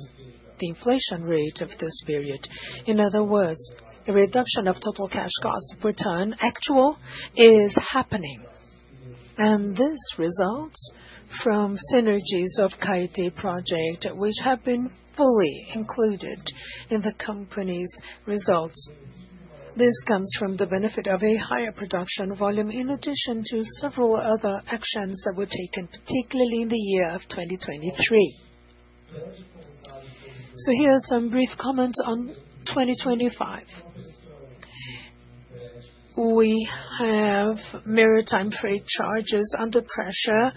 the inflation rate of this period. In other words, the reduction of total cash cost per ton actual is happening, and this results from synergies of Caetê project, which have been fully included in the company's results. This comes from the benefit of a higher production volume in addition to several other actions that were taken, particularly in the year of 2023, so here are some brief comments on 2025. We have maritime freight charges under pressure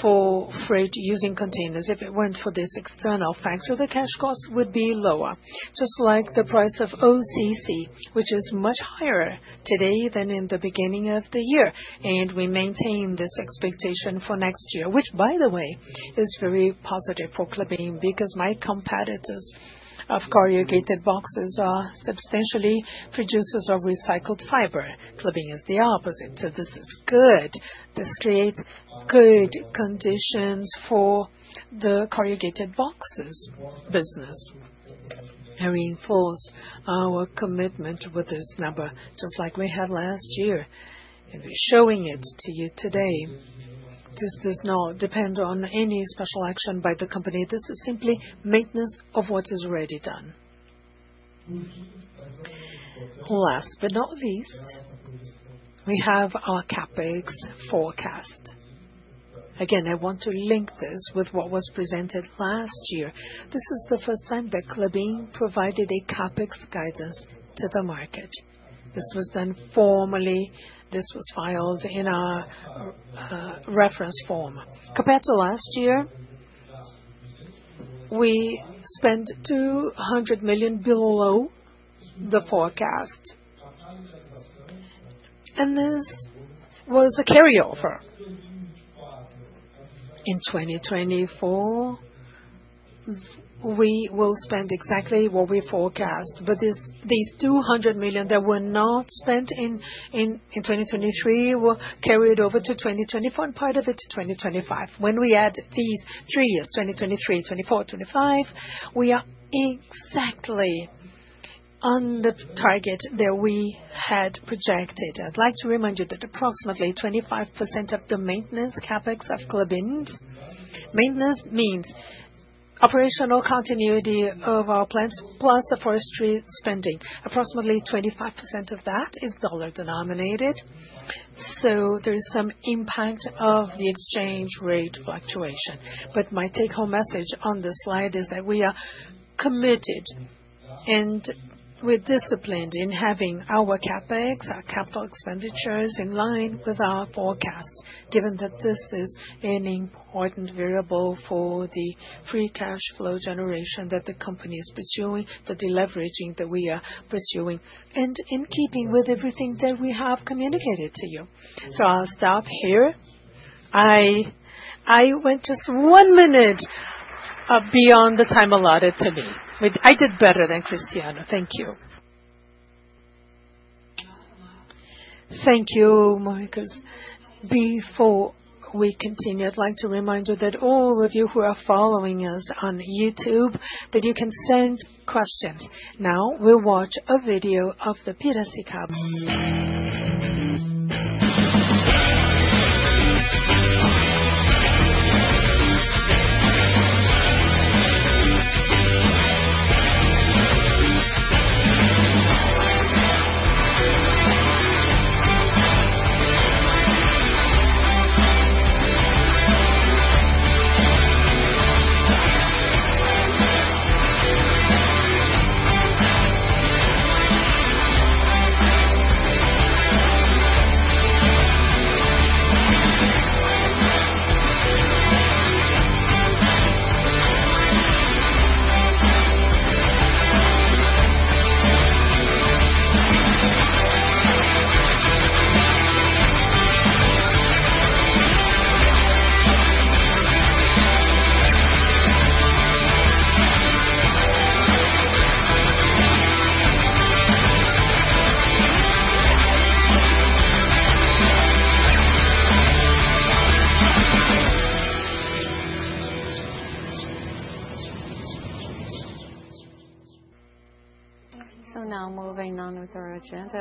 for freight using containers. If it weren't for this external factor, the cash cost would be lower, just like the price of OCC, which is much higher today than in the beginning of the year, and we maintain this expectation for next year, which, by the way, is very positive for Klabin because my competitors of corrugated boxes are substantially producers of recycled fiber. Klabin is the opposite, so this is good. This creates good conditions for the corrugated boxes business and reinforces our commitment with this number, just like we had last year, and we're showing it to you today. This does not depend on any special action by the company. This is simply maintenance of what is already done. Last but not least, we have our CapEx forecast. Again, I want to link this with what was presented last year. This is the first time that Klabin provided a CapEx guidance to the market. This was done formally. This was filed in our reference form. Compared to last year, we spent 200 million below the forecast. And this was a carryover. In 2024, we will spend exactly what we forecast. But these 200 million that were not spent in 2023 were carried over to 2024 and part of it to 2025. When we add these three years, 2023, 2024, 2025, we are exactly on the target that we had projected. I'd like to remind you that approximately 25% of the maintenance CapEx of Klabin's maintenance means operational continuity of our plants plus the forestry spending. Approximately 25% of that is dollar denominated. So there is some impact of the exchange rate fluctuation. But my take-home message on this slide is that we are committed and we're disciplined in having our CapEx, our capital expenditures in line with our forecast, given that this is an important variable for the free cash flow generation that the company is pursuing, the deleveraging that we are pursuing, and in keeping with everything that we have communicated to you. So I'll stop here. I went just one minute beyond the time allotted to me. I did better than Cristiano. Thank you. Thank you, Marcos. Before we continue, I'd like to remind you that all of you who are following us on YouTube, that you can send questions. Now we'll watch a video of the Piracicaba Cup. So now moving on with our agenda,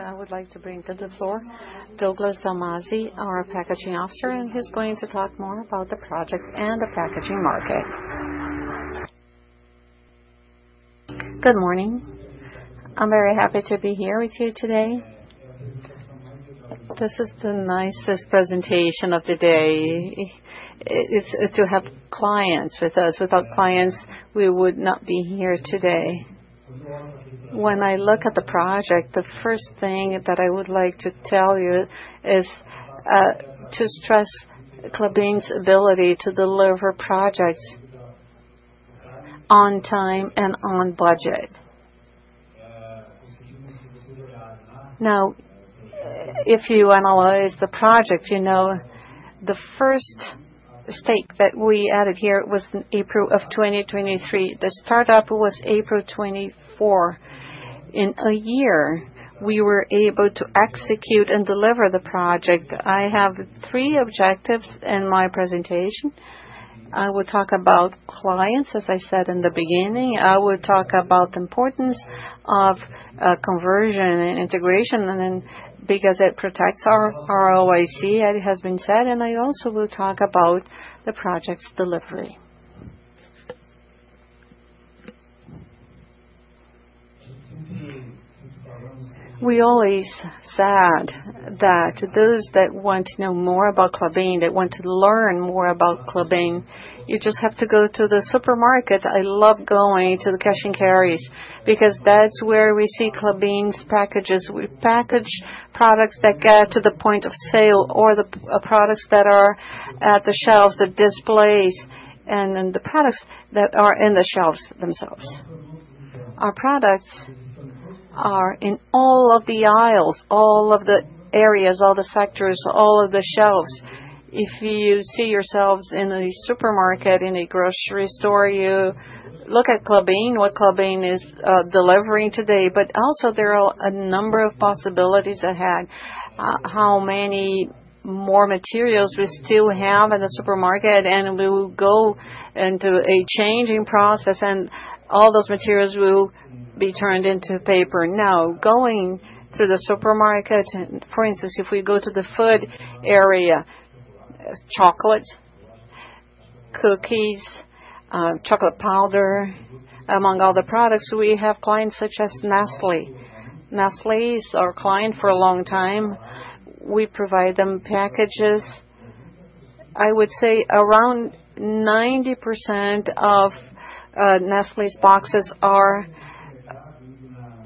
I would like to bring to the floor Douglas Dalmasi, our packaging officer, and he's going to talk more about the project and the packaging market. Good morning. I'm very happy to be here with you today. This is the nicest presentation of the day. It's to have clients with us. Without clients, we would not be here today. When I look at the project, the first thing that I would like to tell you is to stress Klabin's ability to deliver projects on time and on budget. Now, if you analyze the project, the first stake that we added here was April of 2023. The startup was April 24. In a year, we were able to execute and deliver the project. I have three objectives in my presentation. I will talk about clients, as I said in the beginning. I will talk about the importance of conversion and integration because it protects our ROIC, as has been said. And I also will talk about the project's delivery. We always said that those that want to know more about Klabin, that want to learn more about Klabin, you just have to go to the supermarket. I love going to the cash and carries because that's where we see Klabin's packages. We package products that get to the point of sale or the products that are at the shelves, the displays, and the products that are in the shelves themselves. Our products are in all of the aisles, all of the areas, all the sectors, all of the shelves. If you see yourselves in a supermarket, in a grocery store, you look at Klabin, what Klabin is delivering today. But also, there are a number of possibilities ahead. How many more materials we still have in the supermarket, and we will go into a changing process, and all those materials will be turned into paper. Now, going through the supermarket, for instance, if we go to the food area, chocolates, cookies, chocolate powder, among other products, we have clients such as Nestlé. Nestlé is our client for a long time. We provide them packages. I would say around 90% of Nestlé's boxes are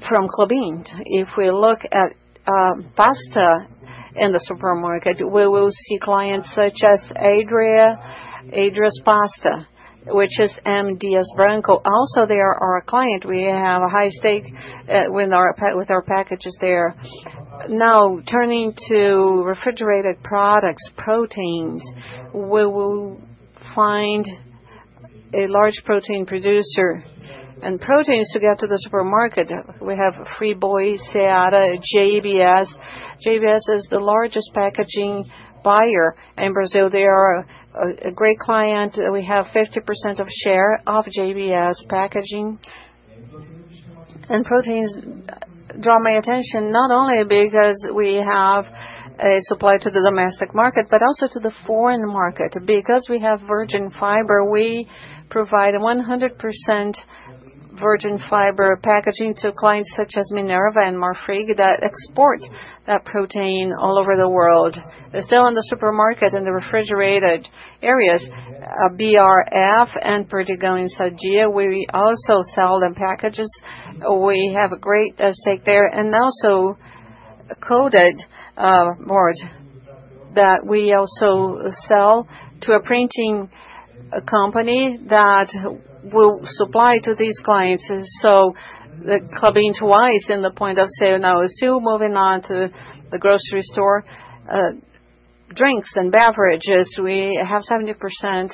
from Klabin. If we look at pasta in the supermarket, we will see clients such as Adria's pasta, which is M. Dias Branco. Also, they are our client. We have a high stake with our packages there. Now, turning to refrigerated products, proteins, we will find a large protein producer and proteins to get to the supermarket. We have BRF, Seara, JBS. JBS is the largest packaging buyer in Brazil. They are a great client. We have 50% share of JBS packaging. Proteins draw my attention not only because we have a supply to the domestic market, but also to the foreign market. Because we have virgin fiber, we provide 100% virgin fiber packaging to clients such as Minerva and Marfrig that export that protein all over the world. They're still in the supermarket in the refrigerated areas. BRF and Perdigão Sadia, we also sell them packages. We have a great stake there. And also Coated Board that we also sell to a printing company that will supply to these clients. So the Klabin twice in the point of sale now is to moving on to the grocery store. Drinks and beverages, we have 70%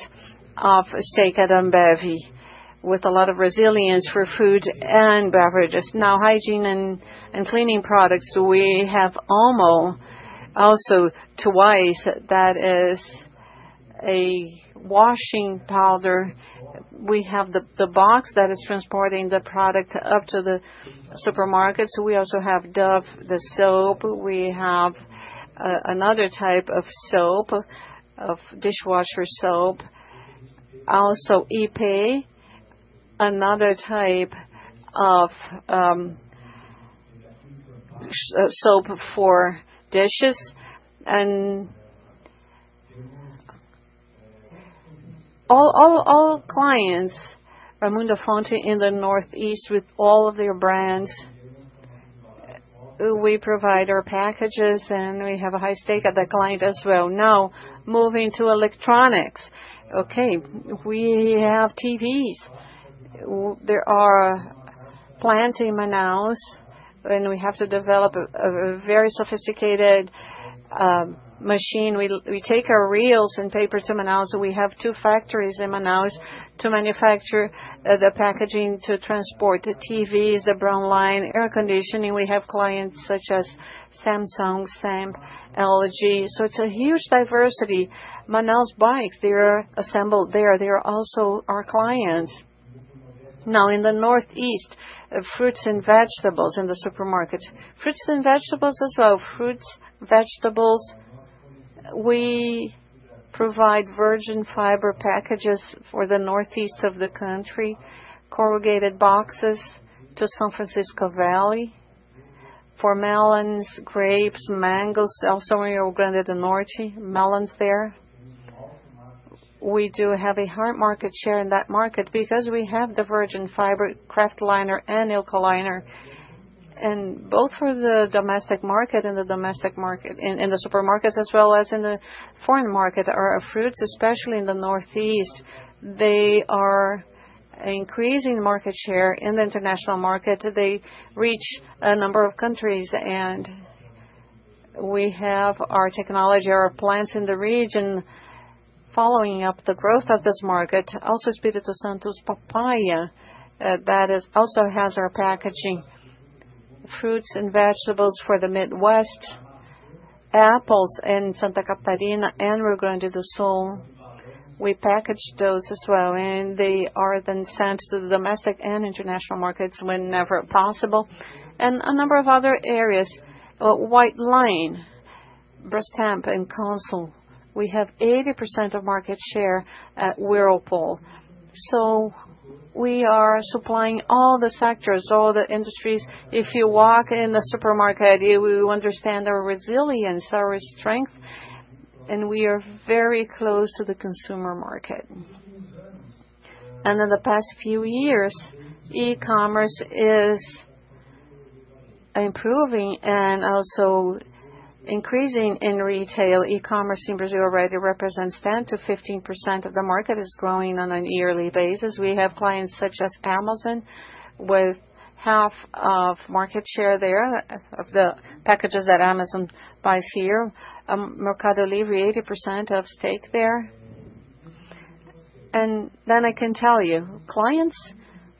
stake at Ambev with a lot of resilience for food and beverages. Now, hygiene and cleaning products, we have OMO also twice. That is a washing powder. We have the box that is transporting the product up to the supermarket. So we also have Dove, the soap. We have another type of soap, dishwasher soap. Also Ypê, another type of soap for dishes. And all clients, Raymundo da Fonte in the northeast with all of their brands, we provide our packages, and we have a high stake at the client as well. Now, moving to electronics. Okay, we have TVs. There are plants in Manaus, and we have to develop a very sophisticated machine. We take our reels and paper to Manaus. We have two factories in Manaus to manufacture the packaging to transport the TVs, the brown line, air conditioning. We have clients such as Samsung, Semp, LG. So it's a huge diversity. Manaus bikes, they are assembled there. They are also our clients. Now, in the northeast, fruits and vegetables in the supermarket. Fruits and vegetables as well. Fruits, vegetables. We provide virgin fiber packages for the northeast of the country, corrugated boxes to Vale do São Francisco for melons, grapes, mangoes, also Rio Grande do Norte, melons there. We do have a hard market share in that market because we have the virgin fiber, Kraftliner and Eukaliner. And both for the domestic market and the domestic market in the supermarkets, as well as in the foreign market, our fruits, especially in the northeast, they are increasing market share in the international market. They reach a number of countries, and we have our technology, our plants in the region following up the growth of this market. Also, Espírito Santo papaya, that also has our packaging, fruits and vegetables for the Midwest, apples in Santa Catarina and Rio Grande do Sul. We package those as well, and they are then sent to the domestic and international markets whenever possible, and a number of other areas: white line, Brastemp, and Consul. We have 80% of market share at Whirlpool, so we are supplying all the sectors, all the industries. If you walk in the supermarket, you understand our resilience, our strength, and we are very close to the consumer market, and in the past few years, e-commerce is improving and also increasing in retail. E-commerce in Brazil already represents 10%-15% of the market. It's growing on a yearly basis. We have clients such as Amazon with half of market share there of the packages that Amazon buys here, Mercado Livre, 80% of stake there, and then I can tell you, clients: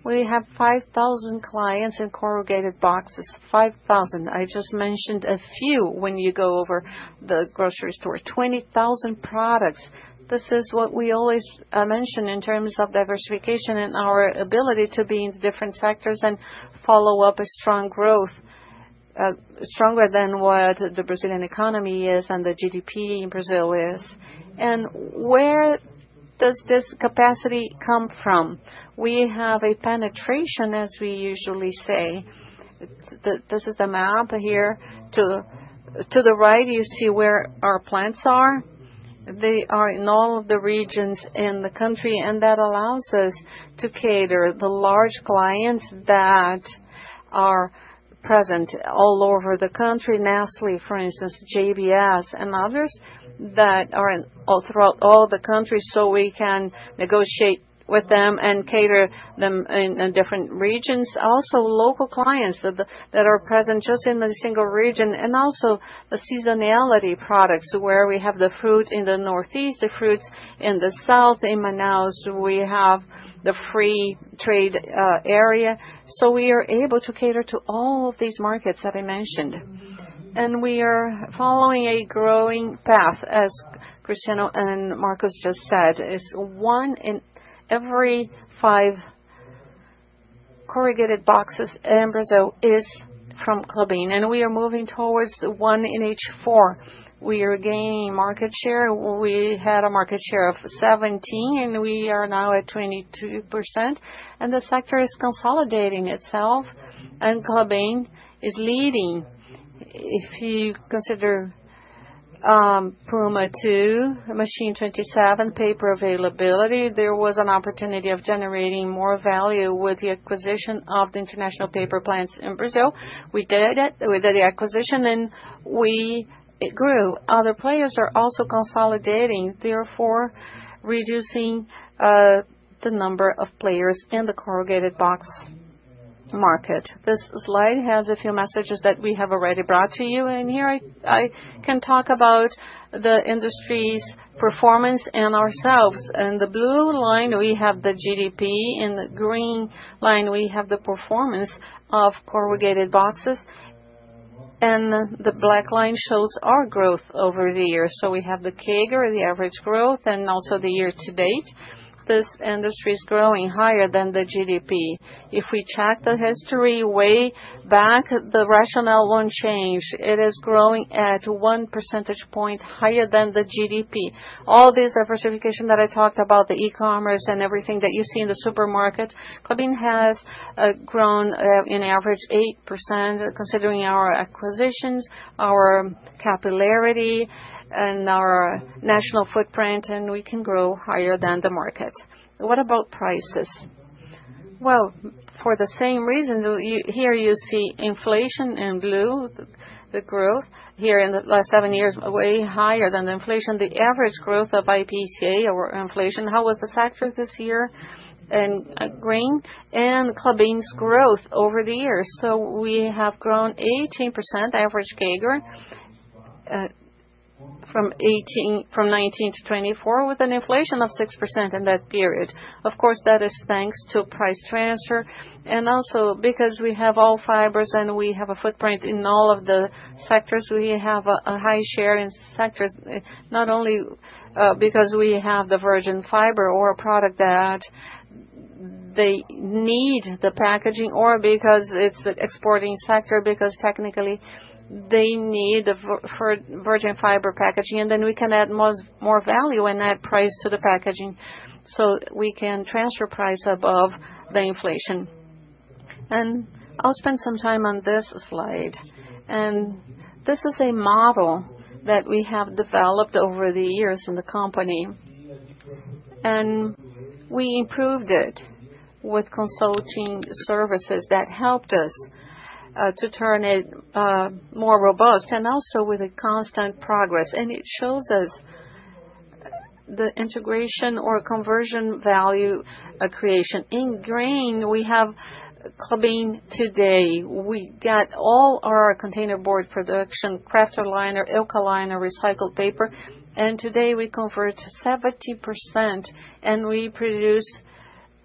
we have 5,000 clients in corrugated boxes. I just mentioned a few when you go over the grocery store. 20,000 products. This is what we always mention in terms of diversification and our ability to be in different sectors and follow up a strong growth, stronger than what the Brazilian economy is and the GDP in Brazil is. And where does this capacity come from? We have a penetration, as we usually say. This is the map here. To the right, you see where our plants are. They are in all of the regions in the country, and that allows us to cater to large clients that are present all over the country, Nestlé, for instance, JBS, and others that are throughout all the country, so we can negotiate with them and cater them in different regions. Also, local clients that are present just in the single region, and also the seasonality products where we have the fruit in the northeast, the fruits in the south, in Manaus. We have the free trade area, so we are able to cater to all of these markets that I mentioned, and we are following a growing path, as Cristiano and Marcus just said. It's one in every five corrugated boxes in Brazil is from Klabin, and we are moving towards one in each four. We are gaining market share. We had a market share of 17%, and we are now at 22%. And the sector is consolidating itself, and Klabin is leading. If you consider Puma II, Machine 27, paper availability, there was an opportunity of generating more value with the acquisition of the International Paper plants in Brazil. We did the acquisition, and we grew. Other players are also consolidating, therefore reducing the number of players in the corrugated box market. This slide has a few messages that we have already brought to you, and here I can talk about the industry's performance and ourselves. In the blue line, we have the GDP, in the green line, we have the performance of corrugated boxes, and the black line shows our growth over the years, so we have the CAGR, the average growth, and also the year to date. This industry is growing higher than the GDP. If we check the history way back, the rationale won't change. It is growing at one percentage point higher than the GDP. All this diversification that I talked about, the e-commerce and everything that you see in the supermarket, Klabin has grown in average 8%, considering our acquisitions, our capillarity, and our national footprint, and we can grow higher than the market. What about prices? Well, for the same reason, here you see inflation in blue, the growth. Here in the last seven years, way higher than the inflation, the average growth of IPCA or inflation. How was the sector this year? In green. And Klabin's growth over the years. So we have grown 18%, average CAGR, from 2019 to 2024 with an inflation of 6% in that period. Of course, that is thanks to price transfer. And also because we have all fibers and we have a footprint in all of the sectors, we have a high share in sectors, not only because we have the virgin fiber or a product that they need the packaging, or because it's an exporting sector, because technically they need the virgin fiber packaging, and then we can add more value and add price to the packaging. So we can transfer price above the inflation. And I'll spend some time on this slide. And this is a model that we have developed over the years in the company. And we improved it with consulting services that helped us to turn it more robust and also with a constant progress. And it shows us the integration or conversion value creation. In grain, we have Klabin today. We get all our containerboard production, kraftliner, Eukaliner, recycled paper. Today we convert 70%, and we produce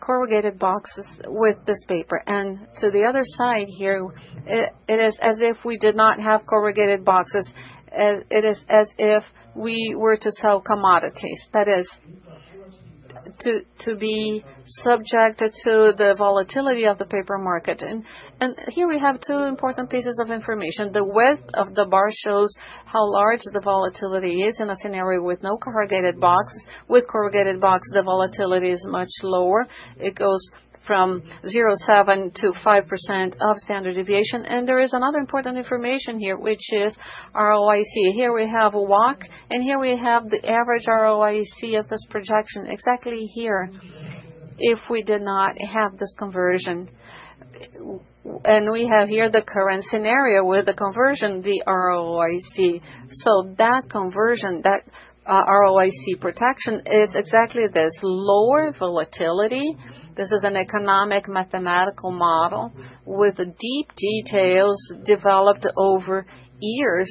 corrugated boxes with this paper. To the other side here, it is as if we did not have corrugated boxes. It is as if we were to sell commodities. That is to be subjected to the volatility of the paper market. Here we have two important pieces of information. The width of the bar shows how large the volatility is in a scenario with no corrugated boxes. With corrugated boxes, the volatility is much lower. It goes from 0.7% to 5% of standard deviation. There is another important information here, which is ROIC. Here we have a WACC, and here we have the average ROIC of this projection exactly here if we did not have this conversion. We have here the current scenario with the conversion, the ROIC. So, that conversion, that ROIC protection is exactly this: lower volatility. This is an economic mathematical model with deep details developed over years.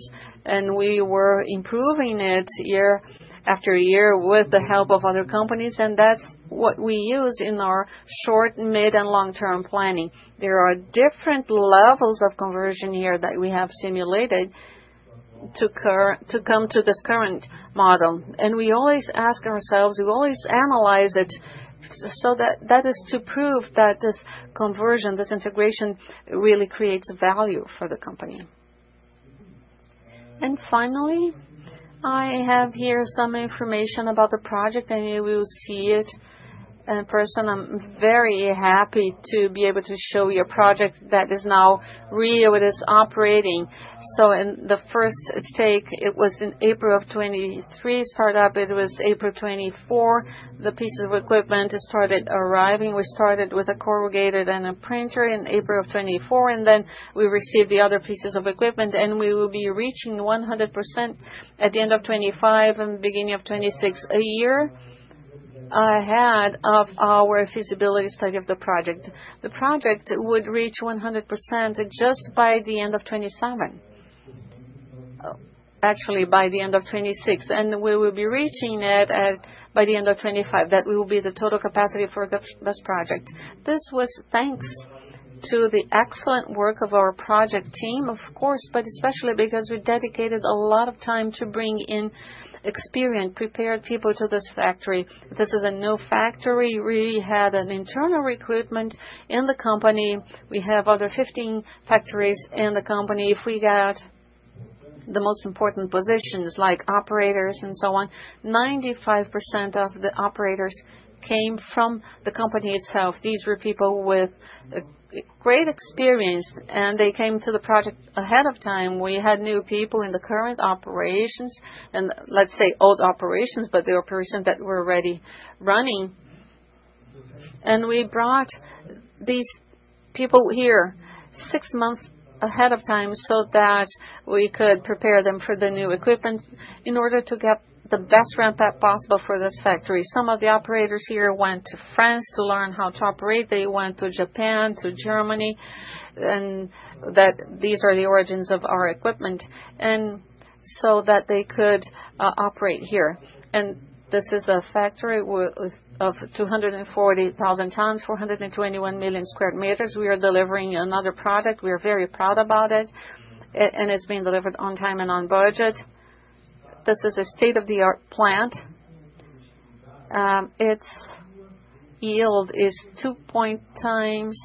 We were improving it year after year with the help of other companies. That's what we use in our short, mid, and long-term planning. There are different levels of conversion here that we have simulated to come to this current model. We always ask ourselves, we always analyze it so that that is to prove that this conversion, this integration really creates value for the company. Finally, I have here some information about the project, and you will see it in person. I'm very happy to be able to show you a project that is now ready with its operation. In the first stage, it was in April of 2023. Startup, it was April 2024. The pieces of equipment started arriving. We started with a corrugator and a printer in April of 2024, and then we received the other pieces of equipment, and we will be reaching 100% at the end of 2025 and beginning of 2026 a year ahead of our feasibility study of the project. The project would reach 100% just by the end of 2027, actually by the end of 2026, and we will be reaching it by the end of 2025. That will be the total capacity for this project. This was thanks to the excellent work of our project team, of course, but especially because we dedicated a lot of time to bring in experienced, prepared people to this factory. This is a new factory. We had an internal recruitment in the company. We have other 15 factories in the company. If we got the most important positions like operators and so on, 95% of the operators came from the company itself. These were people with great experience, and they came to the project ahead of time. We had new people in the current operations, and let's say old operations, but they were persons that were already running. We brought these people here six months ahead of time so that we could prepare them for the new equipment in order to get the best ramp up possible for this factory. Some of the operators here went to France to learn how to operate. They went to Japan, to Germany, and that these are the origins of our equipment so that they could operate here. This is a factory of 240,000 tons, 421 million square meters. We are delivering another product. We are very proud about it, and it's being delivered on time and on budget. This is a state-of-the-art plant. Its yield is 2.5 times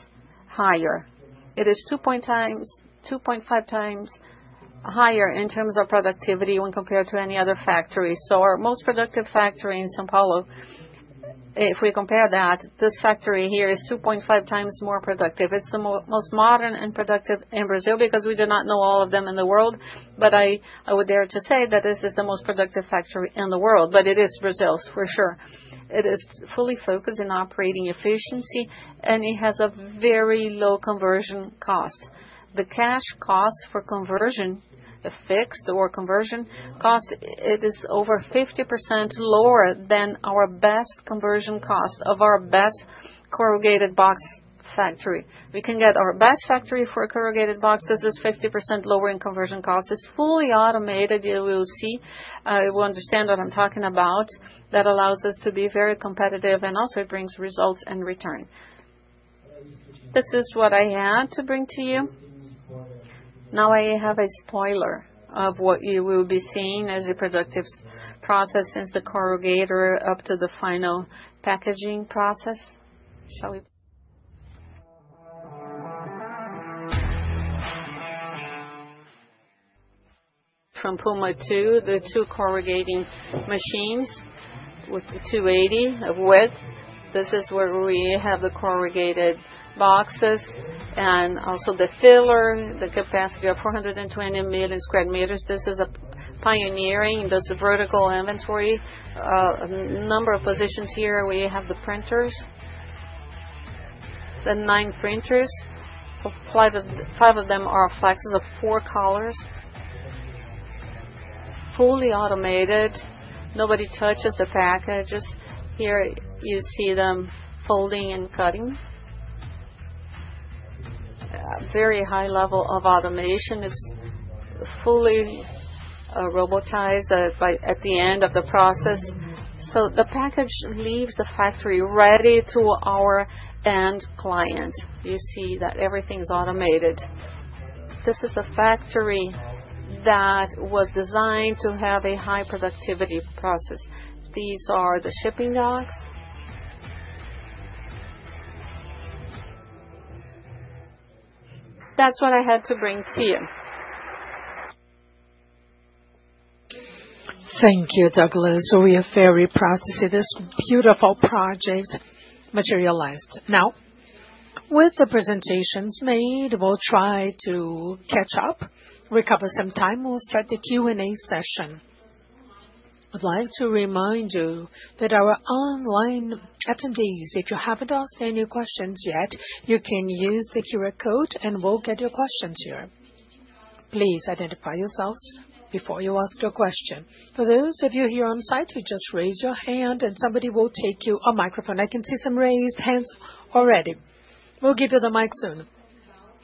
higher. It is 2.5 times higher in terms of productivity when compared to any other factory. So our most productive factory in São Paulo, if we compare that, this factory here is 2.5 times more productive. It's the most modern and productive in Brazil because we do not know all of them in the world, but I would dare to say that this is the most productive factory in the world. But it is Brazil, for sure. It is fully focused in operating efficiency, and it has a very low conversion cost. The cash cost for conversion, the fixed or conversion cost, it is over 50% lower than our best conversion cost of our best corrugated box factory. We can get our best factory for a corrugated box. This is 50% lower in conversion cost. It's fully automated. You will see. You will understand what I'm talking about. That allows us to be very competitive, and also it brings results and return. This is what I had to bring to you. Now I have a spoiler of what you will be seeing as a productive process since the corrugator up to the final packaging process. From Puma II, the two corrugating machines with the 280 width. This is where we have the corrugated boxes and also the folder, the capacity of 420 million square meters. This is pioneering. This is vertical inventory. A number of positions here. We have the printers, the nine printers. Five of them are flexos of four colors. Fully automated. Nobody touches the packages. Here you see them folding and cutting. Very high level of automation. It's fully robotized at the end of the process. So the package leaves the factory ready to our end client. You see that everything's automated. This is a factory that was designed to have a high productivity process. These are the shipping docks. That's what I had to bring to you. Thank you, Douglas. We are very proud to see this beautiful project materialized. Now, with the presentations made, we'll try to catch up, recover some time. We'll start the Q&A session. I'd like to remind you that our online attendees, if you haven't asked any questions yet, you can use the QR code and we'll get your questions here. Please identify yourselves before you ask your question. For those of you here on site, you just raise your hand and somebody will take you a microphone. I can see some raised hands already. We'll give you the mic soon.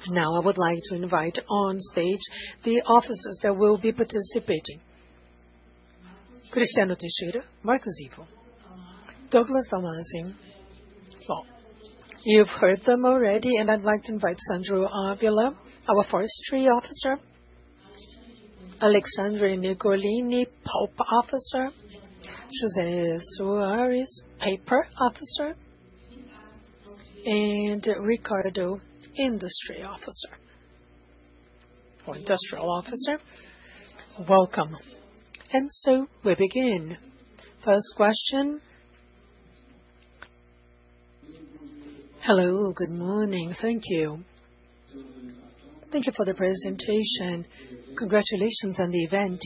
Now, I would like to invite on stage the officers that will be participating: Cristiano Teixeira, Marcos Ivo, Douglas Dalmasi. You've heard them already, and I'd like to invite Sandro Ávila, our Forestry Officer, Alexandre Nicolini, Pulp Officer, José Soares, Paper Officer, and Ricardo, Industrial Officer. Welcome. We begin. First question. Hello. Good morning. Thank you. Thank you for the presentation. Congratulations on the event.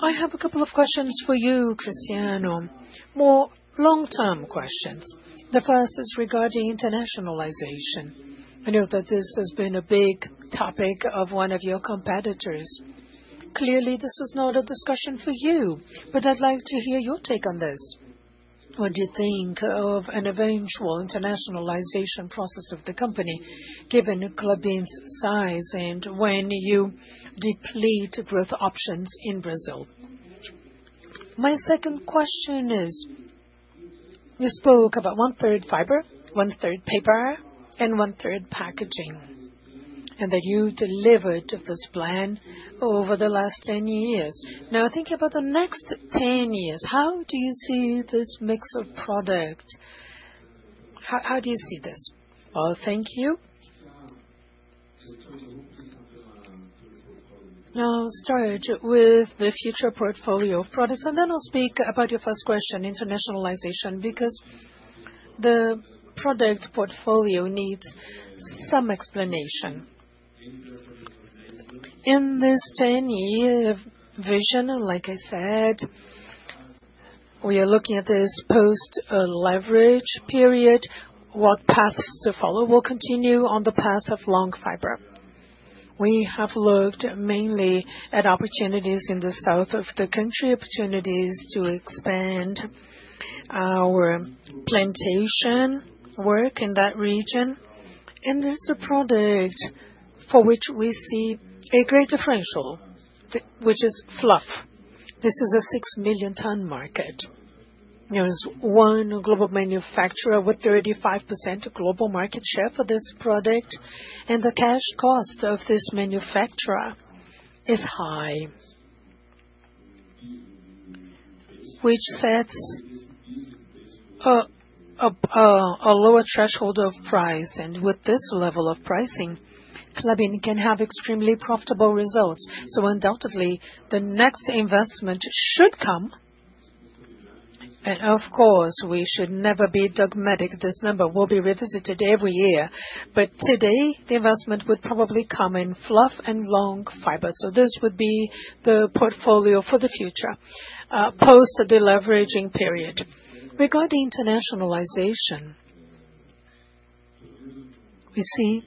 I have a couple of questions for you, Cristiano. More long-term questions. The first is regarding internationalization. I know that this has been a big topic of one of your competitors. Clearly, this is not a discussion for you, but I'd like to hear your take on this. What do you think of an eventual internationalization process of the company, given Klabin's size and when you deplete growth options in Brazil? My second question is, you spoke about one-third fiber, one-third paper, and one-third packaging, and that you delivered this plan over the last 10 years. Now, thinking about the next 10 years, how do you see this mix of product? How do you see this? Well, thank you. Now, start with the future portfolio of products, and then I'll speak about your first question, internationalization, because the product portfolio needs some explanation. In this 10-year vision, like I said, we are looking at this post-leverage period. What paths to follow will continue on the path of long fiber? We have looked mainly at opportunities in the south of the country, opportunities to expand our plantation work in that region. And there's a product for which we see a great differential, which is fluff. This is a six million ton market. There is one global manufacturer with 35% global market share for this product, and the cash cost of this manufacturer is high, which sets a lower threshold of price. And with this level of pricing, Klabin can have extremely profitable results. So undoubtedly, the next investment should come. And of course, we should never be dogmatic. This number will be revisited every year. But today, the investment would probably come in fluff and long fiber. So this would be the portfolio for the future post-deleveraging period. Regarding internationalization, we see,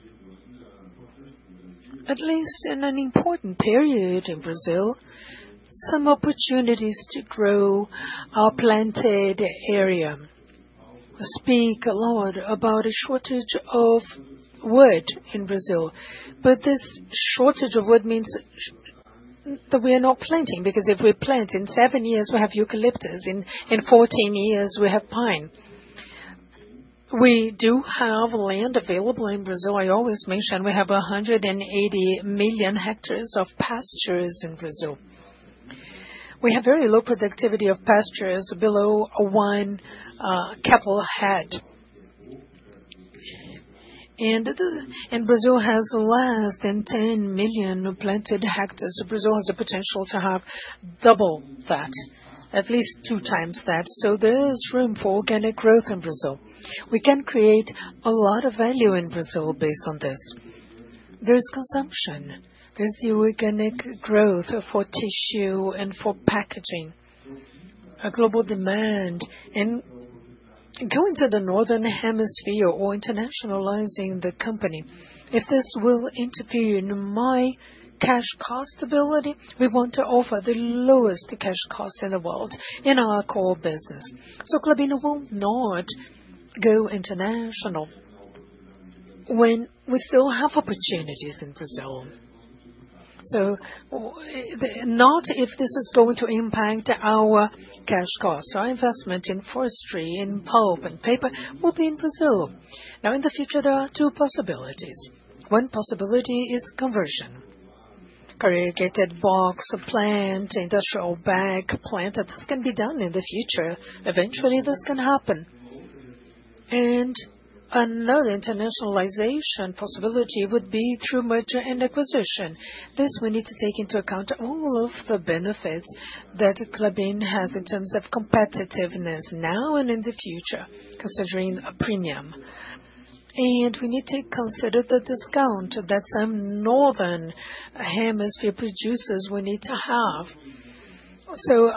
at least in an important period in Brazil, some opportunities to grow our planted area. I speak a lot about a shortage of wood in Brazil. But this shortage of wood means that we are not planting because if we plant in seven years, we have eucalyptus. In 14 years, we have pine. We do have land available in Brazil. I always mention we have 180 million hectares of pastures in Brazil. We have very low productivity of pastures, below one cattle head, and Brazil has less than 10 million planted hectares. Brazil has the potential to have double that, at least two times that. So there's room for organic growth in Brazil. We can create a lot of value in Brazil based on this. There's consumption. There's the organic growth for tissue and for packaging, a global demand, and going to the Northern Hemisphere or internationalizing the company, if this will interfere in my cash cost ability, we want to offer the lowest cash cost in the world in our core business, so Klabin will not go international when we still have opportunities in Brazil, so not if this is going to impact our cash cost. Our investment in forestry, in pulp, in paper will be in Brazil. Now, in the future, there are two possibilities. One possibility is conversion: corrugated box, plant, industrial bag, plant. This can be done in the future. Eventually, this can happen. And another internationalization possibility would be through merger and acquisition. This we need to take into account all of the benefits that Klabin has in terms of competitiveness now and in the future, considering a premium. And we need to consider the discount that some northern hemisphere producers will need to have. So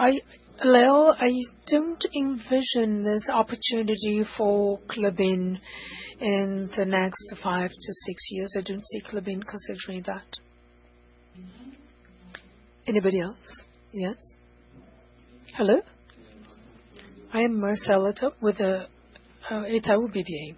Leo, I don't envision this opportunity for Klabin in the next five to six years. I don't see Klabin considering that. Anybody else? Yes? Hello? I am Marcela with Itaú BBA.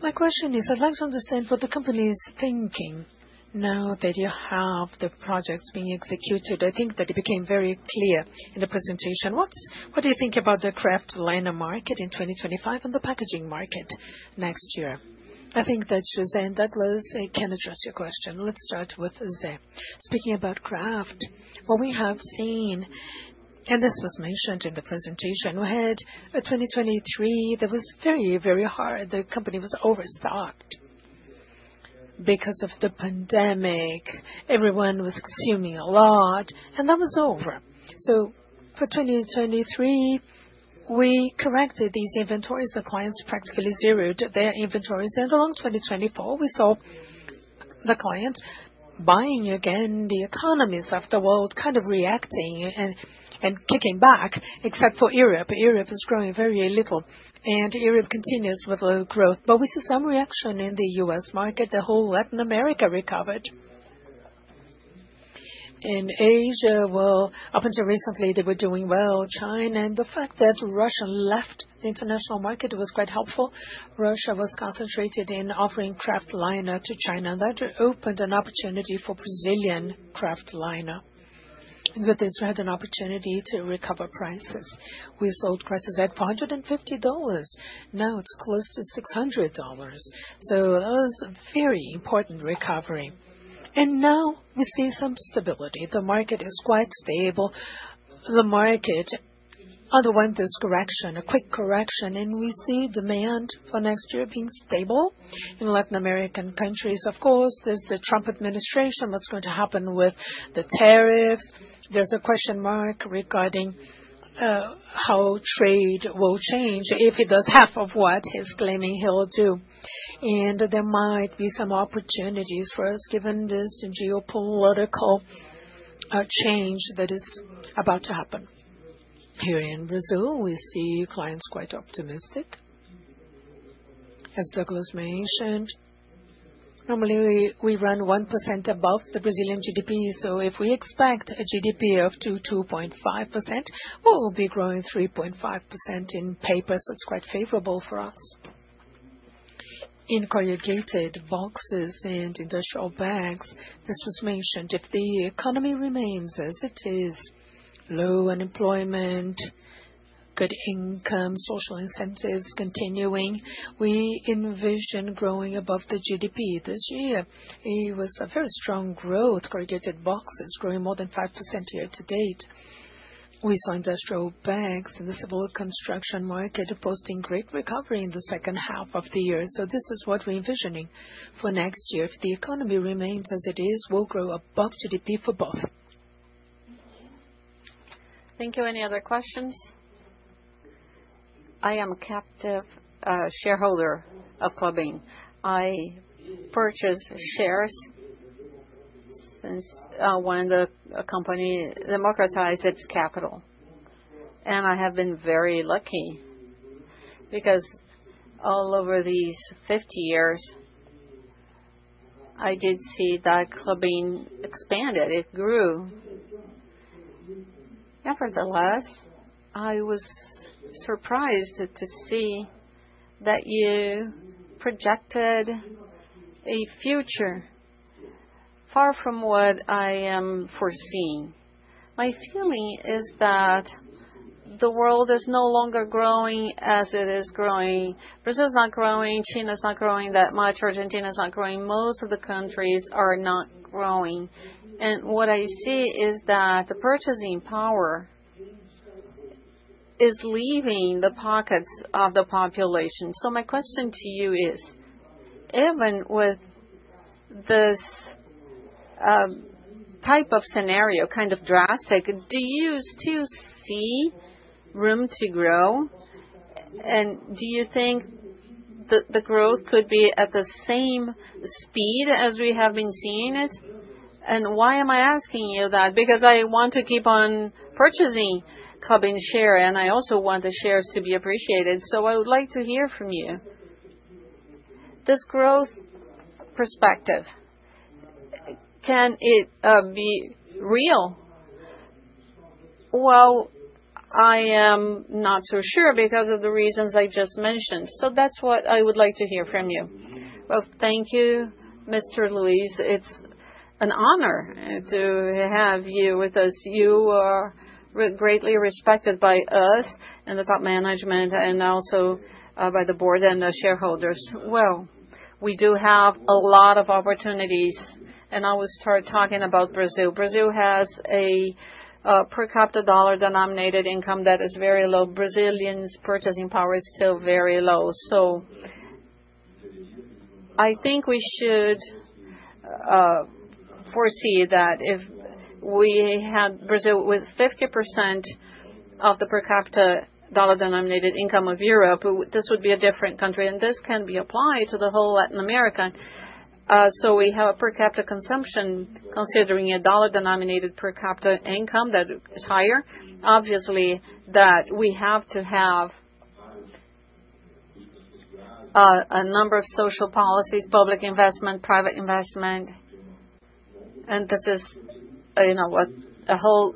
My question is, I'd like to understand what the company is thinking now that you have the projects being executed. I think that it became very clear in the presentation. What do you think about the kraftliner market in 2025 and the packaging market next year? I think that José and Douglas can address your question. Let's start with José. Speaking about kraftliner, what we have seen, and this was mentioned in the presentation, we had a 2023 that was very, very hard. The company was overstocked because of the pandemic. Everyone was consuming a lot, and that was over. So for 2023, we corrected these inventories. The clients practically zeroed their inventories. And along 2024, we saw the client buying again, the economies of the world kind of reacting and kicking back, except for Europe. Europe is growing very little, and Europe continues with low growth. But we see some reaction in the U.S. market. The whole Latin America recovered. In Asia, well, up until recently, they were doing well. China, and the fact that Russia left the international market was quite helpful. Russia was concentrated in offering kraftliner to China. That opened an opportunity for Brazilian kraftliner. And with this, we had an opportunity to recover prices. We sold prices at $450. Now it's close to $600. So that was a very important recovery. And now we see some stability. The market is quite stable. The market underwent this correction, a quick correction, and we see demand for next year being stable in Latin American countries. Of course, there's the Trump administration. What's going to happen with the tariffs? There's a question mark regarding how trade will change if he does half of what he's claiming he'll do. And there might be some opportunities for us given this geopolitical change that is about to happen. Here in Brazil, we see clients quite optimistic. As Douglas mentioned, normally we run 1% above the Brazilian GDP. So if we expect a GDP of 2.5%, we'll be growing 3.5% in paper. So it's quite favorable for us. In corrugated boxes and industrial bags, this was mentioned. If the economy remains as it is, low unemployment, good income, social incentives continuing, we envision growing above the GDP this year. It was a very strong growth. Corrugated boxes growing more than 5% year to date. We saw industrial bags in the civil construction market posting great recovery in the second half of the year. So this is what we're envisioning for next year. If the economy remains as it is, we'll grow above GDP for both. Thank you. Any other questions? I am a captive shareholder of Klabin. I purchased shares when the company democratized its capital. I have been very lucky because all over these 50 years, I did see that Klabin expanded. It grew. Nevertheless, I was surprised to see that you projected a future far from what I am foreseeing. My feeling is that the world is no longer growing as it is growing. Brazil is not growing. China is not growing that much. Argentina is not growing. Most of the countries are not growing. And what I see is that the purchasing power is leaving the pockets of the population. So my question to you is, even with this type of scenario, kind of drastic, do you still see room to grow? And do you think that the growth could be at the same speed as we have been seeing it? And why am I asking you that? Because I want to keep on purchasing Klabin's share, and I also want the shares to be appreciated. So I would like to hear from you. This growth perspective, can it be real? I am not so sure because of the reasons I just mentioned. So that's what I would like to hear from you. Thank you, Mr. Luis. It's an honor to have you with us. You are greatly respected by us and the top management and also by the board and the shareholders. We do have a lot of opportunities, and I will start talking about Brazil. Brazil has a per capita dollar denominated income that is very low. Brazilians' purchasing power is still very low. So I think we should foresee that if we had Brazil with 50% of the per capita dollar denominated income of Europe, this would be a different country. This can be applied to the whole Latin America. We have a per capita consumption considering a dollar denominated per capita income that is higher. Obviously, that we have to have a number of social policies, public investment, private investment. This is a whole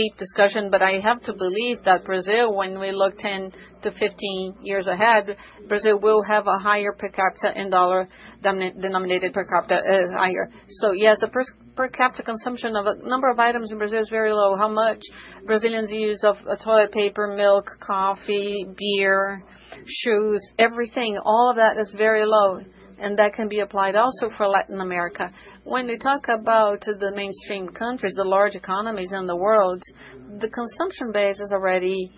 deep discussion, but I have to believe that Brazil, when we look 10 to 15 years ahead, Brazil will have a higher per capita in dollar denominated per capita higher. Yes, the per capita consumption of a number of items in Brazil is very low. How much Brazilians use of toilet paper, milk, coffee, beer, shoes, everything, all of that is very low. That can be applied also for Latin America. When we talk about the mainstream countries, the large economies in the world, the consumption base is already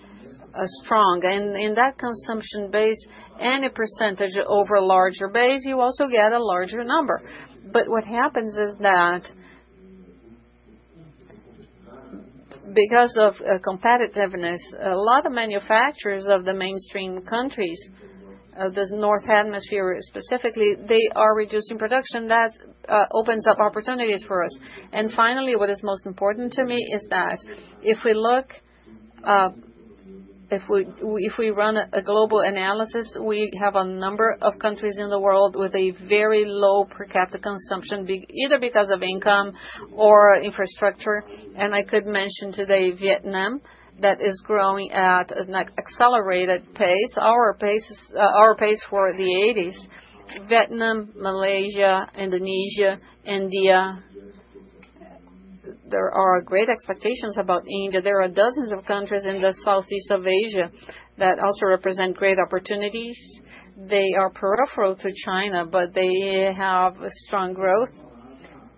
strong. And in that consumption base, any percentage over a larger base, you also get a larger number. But what happens is that because of competitiveness, a lot of manufacturers of the mainstream countries, the Northern Hemisphere specifically, they are reducing production. That opens up opportunities for us. And finally, what is most important to me is that if we look, if we run a global analysis, we have a number of countries in the world with a very low per capita consumption, either because of income or infrastructure. And I could mention today, Vietnam that is growing at an accelerated pace, our pace for the '80s. Vietnam, Malaysia, Indonesia, India, there are great expectations about India. There are dozens of countries in the Southeast Asia that also represent great opportunities. They are peripheral to China, but they have strong growth.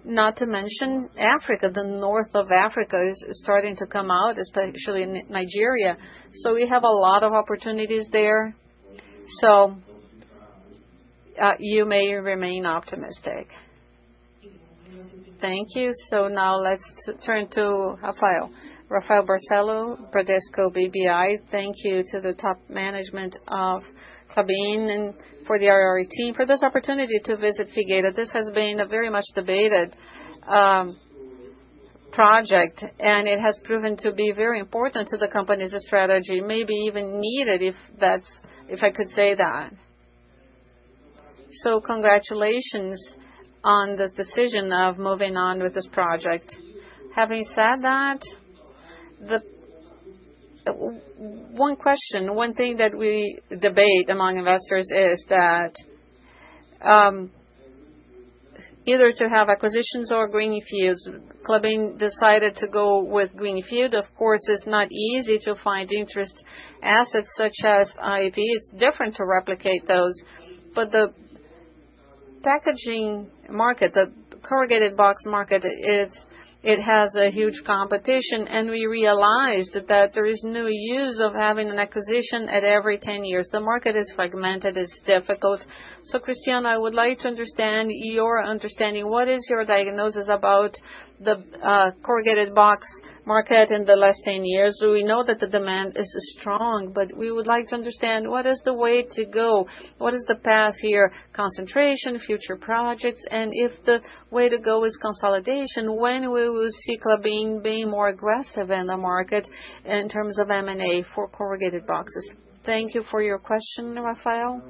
Not to mention Africa. The north of Africa is starting to come out, especially Nigeria. So we have a lot of opportunities there. So you may remain optimistic. Thank you. So now let's turn to Rafael. Rafael Barcellos, Bradesco BBI. Thank you to the top management of Klabin and for the IRR team, for this opportunity to visit Figueira. This has been a very much debated project, and it has proven to be very important to the company's strategy, maybe even needed, if I could say that. So congratulations on this decision of moving on with this project. Having said that, one question, one thing that we debate among investors is that either to have acquisitions or greenfields. Klabin decided to go with greenfield. Of course, it's not easy to find interesting assets such as IP. It's different to replicate those. But the packaging market, the corrugated box market, it has a huge competition. We realized that there is no use of having an acquisition at every 10 years. The market is fragmented. It's difficult. So Cristiano, I would like to understand your understanding. What is your diagnosis about the corrugated box market in the last 10 years? We know that the demand is strong, but we would like to understand what is the way to go, what is the path here, concentration, future projects, and if the way to go is consolidation, when will we see Klabin being more aggressive in the market in terms of M&A for corrugated boxes? Thank you for your question, Rafael.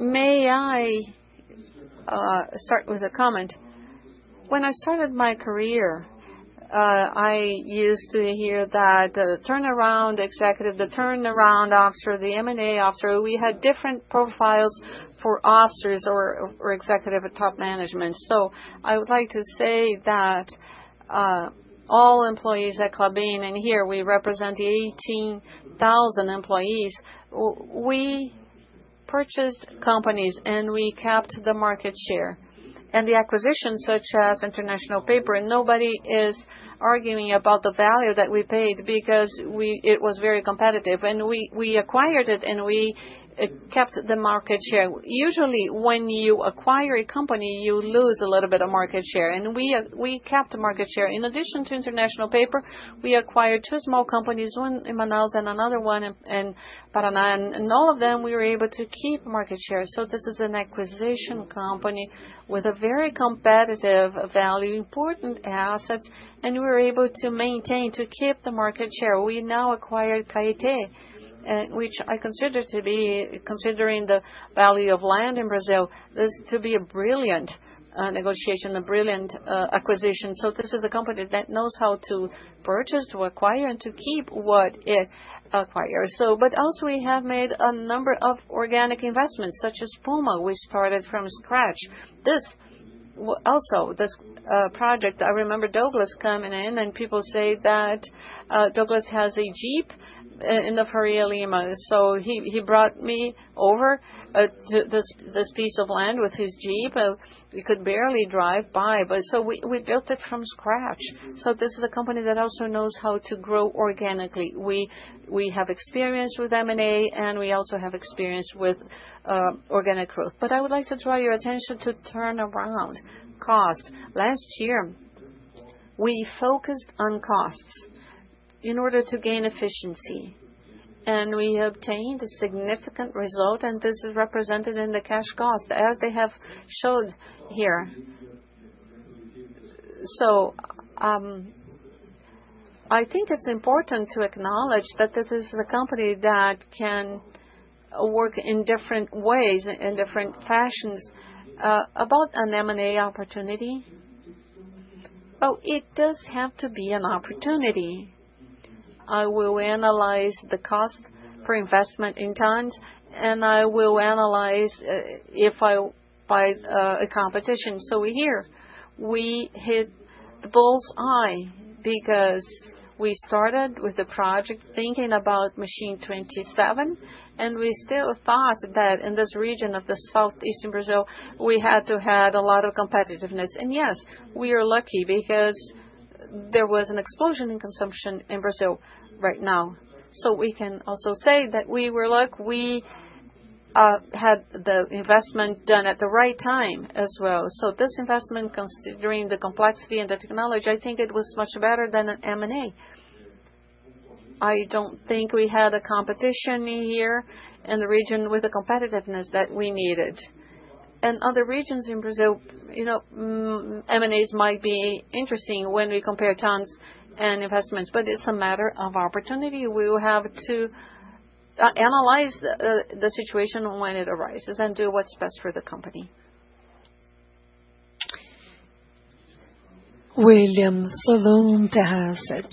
May I start with a comment? When I started my career, I used to hear that the turnaround executive, the turnaround officer, the M&A officer, we had different profiles for officers or executive top management. So I would like to say that all employees at Klabin, and here we represent 18,000 employees. We purchased companies and we kept the market share. And the acquisition, such as International Paper, and nobody is arguing about the value that we paid because it was very competitive. And we acquired it and we kept the market share. Usually, when you acquire a company, you lose a little bit of market share. And we kept market share. In addition to International Paper, we acquired two small companies, one in Manaus and another one in Paraná. And all of them, we were able to keep market share. So this is an acquisition company with a very competitive value, important assets, and we were able to maintain, to keep the market share. We now acquired Caetê, which I consider to be considering the value of land in Brazil. This is to be a brilliant negotiation, a brilliant acquisition. So this is a company that knows how to purchase, to acquire, and to keep what it acquires. But also, we have made a number of organic investments, such as Puma, which started from scratch. Also, this project, I remember Douglas coming in, and people say that Douglas has a jeep in the Faria Lima. So he brought me over to this piece of land with his jeep. We could barely drive by. So we built it from scratch. So this is a company that also knows how to grow organically. We have experience with M&A and we also have experience with organic growth. But I would like to draw your attention to turnaround cost. Last year, we focused on costs in order to gain efficiency. And we obtained a significant result, and this is represented in the cash cost, as they have showed here. So I think it's important to acknowledge that this is a company that can work in different ways, in different fashions. About an M&A opportunity, well, it does have to be an opportunity. I will analyze the cost for investment in times, and I will analyze if I buy a competition. So here, we hit the bull's eye because we started with the project thinking about machine 27, and we still thought that in this region of the southeastern Brazil, we had to have a lot of competitiveness. And yes, we are lucky because there was an explosion in consumption in Brazil right now. So we can also say that we were lucky. We had the investment done at the right time as well. This investment, considering the complexity and the technology, I think it was much better than an M&A. I don't think we had a competition here in the region with the competitiveness that we needed. In other regions in Brazil, M&As might be interesting when we compare tons and investments, but it's a matter of opportunity. We will have to analyze the situation when it arises and do what's best for the company. William Salonta has said,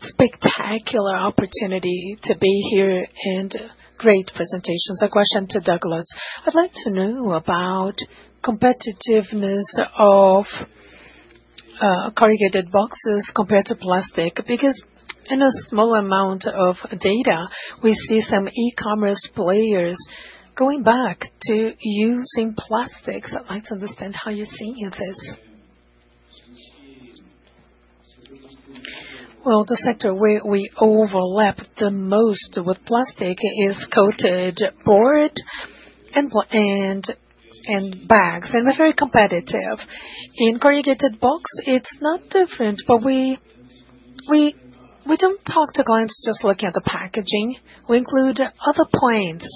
"Spectacular opportunity to be here and great presentations." A question to Douglas. I'd like to know about competitiveness of corrugated boxes compared to plastic because in a small amount of data, we see some e-commerce players going back to using plastics. I'd like to understand how you're seeing this. The sector where we overlap the most with plastic is coated board and bags, and they're very competitive. In corrugated box, it's not different, but we don't talk to clients just looking at the packaging. We include other points.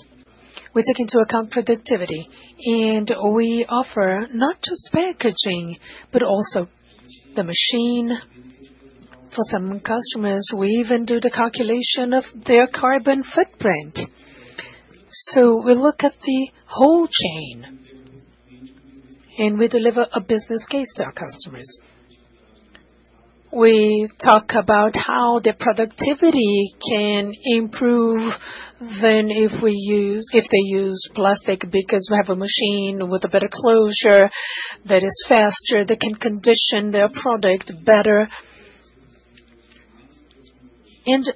We take into account productivity, and we offer not just packaging, but also the machine. For some customers, we even do the calculation of their carbon footprint, so we look at the whole chain, and we deliver a business case to our customers. We talk about how their productivity can improve if they use plastic because we have a machine with a better closure that is faster, that can condition their product better, and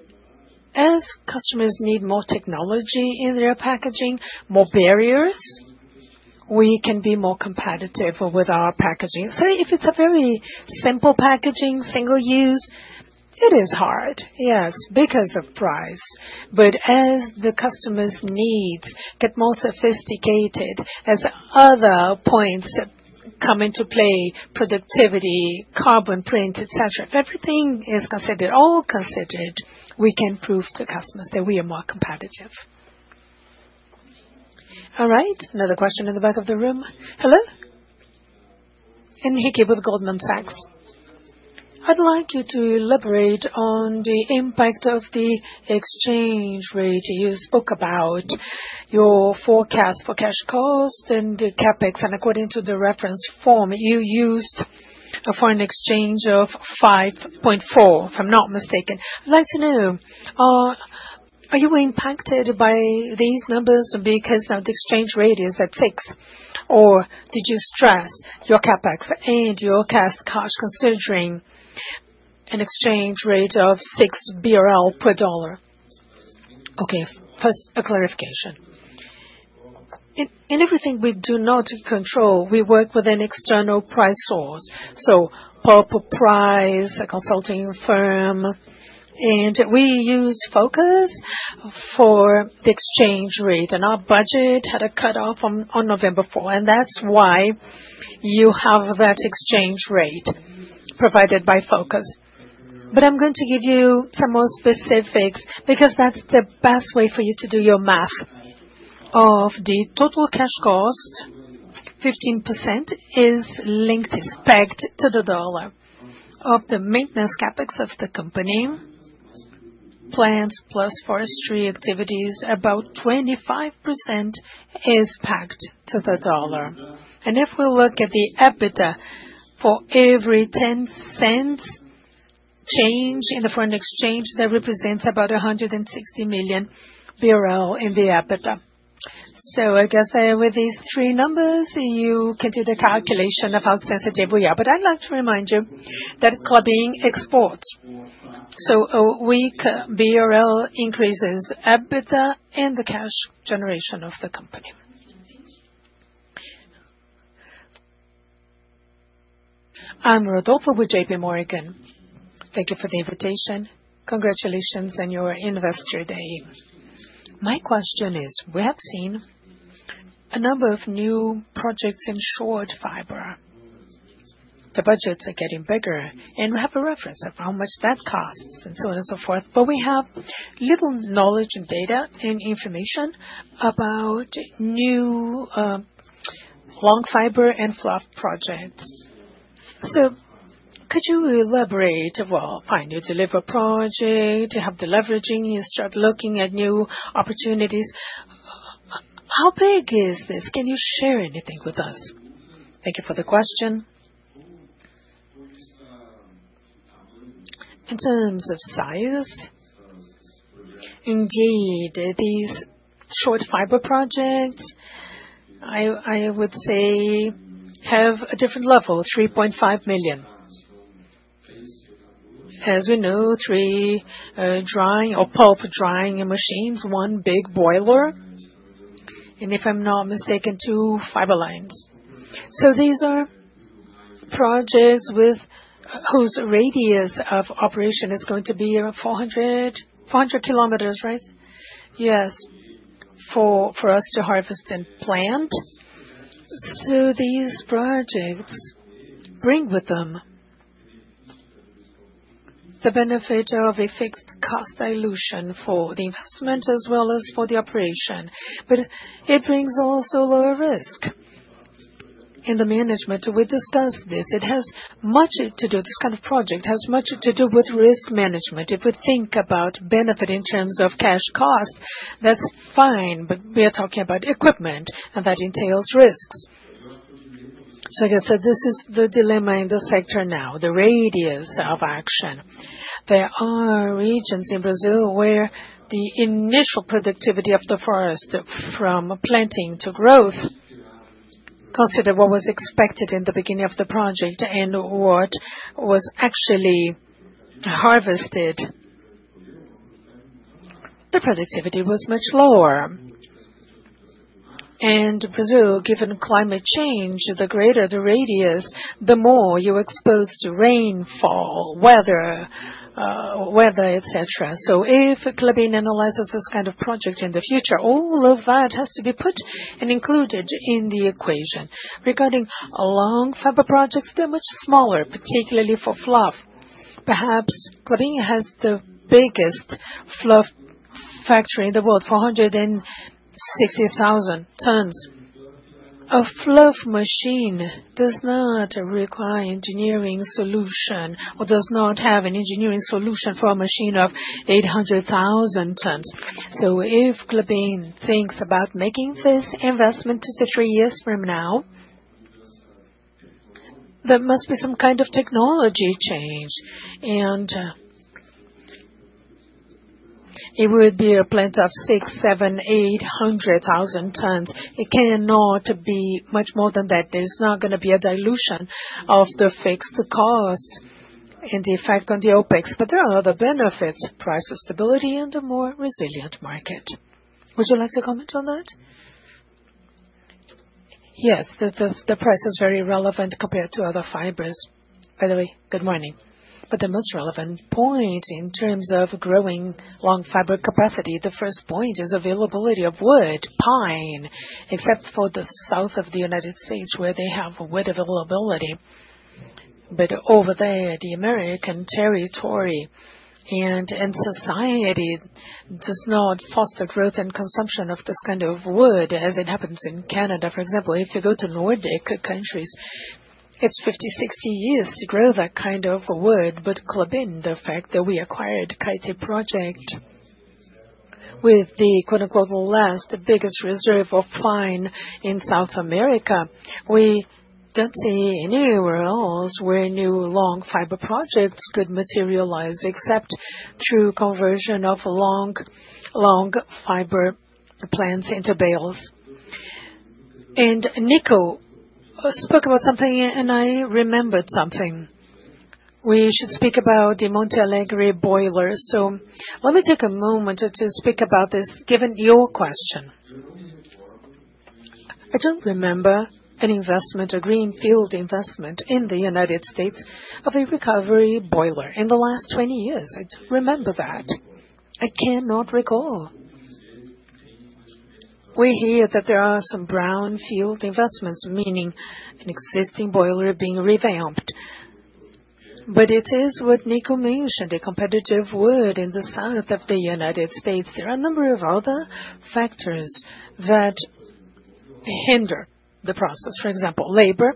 as customers need more technology in their packaging, more barriers, we can be more competitive with our packaging, so if it's a very simple packaging, single use, it is hard, yes, because of price. But as the customer's needs get more sophisticated, as other points come into play, productivity, carbon footprint, etc., if everything is considered, all considered, we can prove to customers that we are more competitive. All right? Another question in the back of the room. Hello? Henrique Leite with Goldman Sachs. I'd like you to elaborate on the impact of the exchange rate. You spoke about your forecast for cash cost and the CapEx. And according to the reference form, you used a foreign exchange of 5.4, if I'm not mistaken. I'd like to know, are you impacted by these numbers because now the exchange rate is at 6, or did you stress your CapEx and your cash cost considering an exchange rate of 6 BRL per dollar? Okay. First, a clarification. In everything we do not control, we work with an external price source. Per PwC, a consulting firm, and we use Focus for the exchange rate. Our budget had a cutoff on November 4, and that's why you have that exchange rate provided by Focus. But I'm going to give you some more specifics because that's the best way for you to do your math. Of the total cash cost, 15% is linked, is pegged to the dollar. Of the maintenance CapEx of the company, plants plus forestry activities, about 25% is pegged to the dollar. And if we look at the EBITDA, for every $0.10 change in the foreign exchange, that represents about 160 million in the EBITDA. So I guess with these three numbers, you can do the calculation of how sensitive we are. But I'd like to remind you that Klabin exports. So a weak BRL increases EBITDA and the cash generation of the company. I'm Rodolfo with JP Morgan. Thank you for the invitation. Congratulations on your investor day. My question is, we have seen a number of new projects in short fiber. The budgets are getting bigger, and we have a reference of how much that costs and so on and so forth. But we have little knowledge and data and information about new long fiber and fluff projects. So could you elaborate? Well, fine, you deliver project, you have the leveraging, you start looking at new opportunities. How big is this? Can you share anything with us? Thank you for the question. In terms of size, indeed, these short fiber projects, I would say, have a different level, 3.5 million. As we know, three drying or pulp drying machines, one big boiler, and if I'm not mistaken, two fiber lines. These are projects whose radius of operation is going to be 400 km, right? Yes, for us to harvest and plant. These projects bring with them the benefit of a fixed cost dilution for the investment as well as for the operation. But it brings also lower risk in the management. We discussed this. It has much to do. This kind of project has much to do with risk management. If we think about benefit in terms of cash cost, that's fine, but we are talking about equipment, and that entails risks. I guess that this is the dilemma in the sector now, the radius of action. There are regions in Brazil where the initial productivity of the forest from planting to growth. Consider what was expected in the beginning of the project and what was actually harvested. The productivity was much lower. Brazil, given climate change, the greater the radius, the more you're exposed to rainfall, weather, etc. If Klabin analyzes this kind of project in the future, all of that has to be put and included in the equation. Regarding long fiber projects, they're much smaller, particularly for fluff. Perhaps Klabin has the biggest fluff factory in the world, 460,000 tons. A fluff machine does not require engineering solution or does not have an engineering solution for a machine of 800,000 tons. If Klabin thinks about making this investment two to three years from now, there must be some kind of technology change. It would be a plant of 6, 7, 800,000 tons. It cannot be much more than that. There's not going to be a dilution of the fixed cost and the effect on the OpEx. But there are other benefits: price stability and a more resilient market. Would you like to comment on that? Yes, the price is very relevant compared to other fibers. By the way, good morning. But the most relevant point in terms of growing long fiber capacity, the first point is availability of wood, pine, except for the south of the United States where they have wood availability. But over there, the American territory and society does not foster growth and consumption of this kind of wood as it happens in Canada. For example, if you go to Nordic countries, it's 50-60 years to grow that kind of wood. But Klabin, the fact that we acquired Caetê project with the "last biggest reserve of pine in South America," we don't see any rules where new long fiber projects could materialize, except through conversion of long fiber plants into bales. Nico spoke about something, and I remembered something. We should speak about the Monte Alegre boiler. Let me take a moment to speak about this, given your question. I don't remember an investment or greenfield investment in the United States of a recovery boiler in the last 20 years. I don't remember that. I cannot recall. We hear that there are some brownfield investments, meaning an existing boiler being revamped. But it is what Nico mentioned, the competitive wood in the south of the United States. There are a number of other factors that hinder the process. For example, labor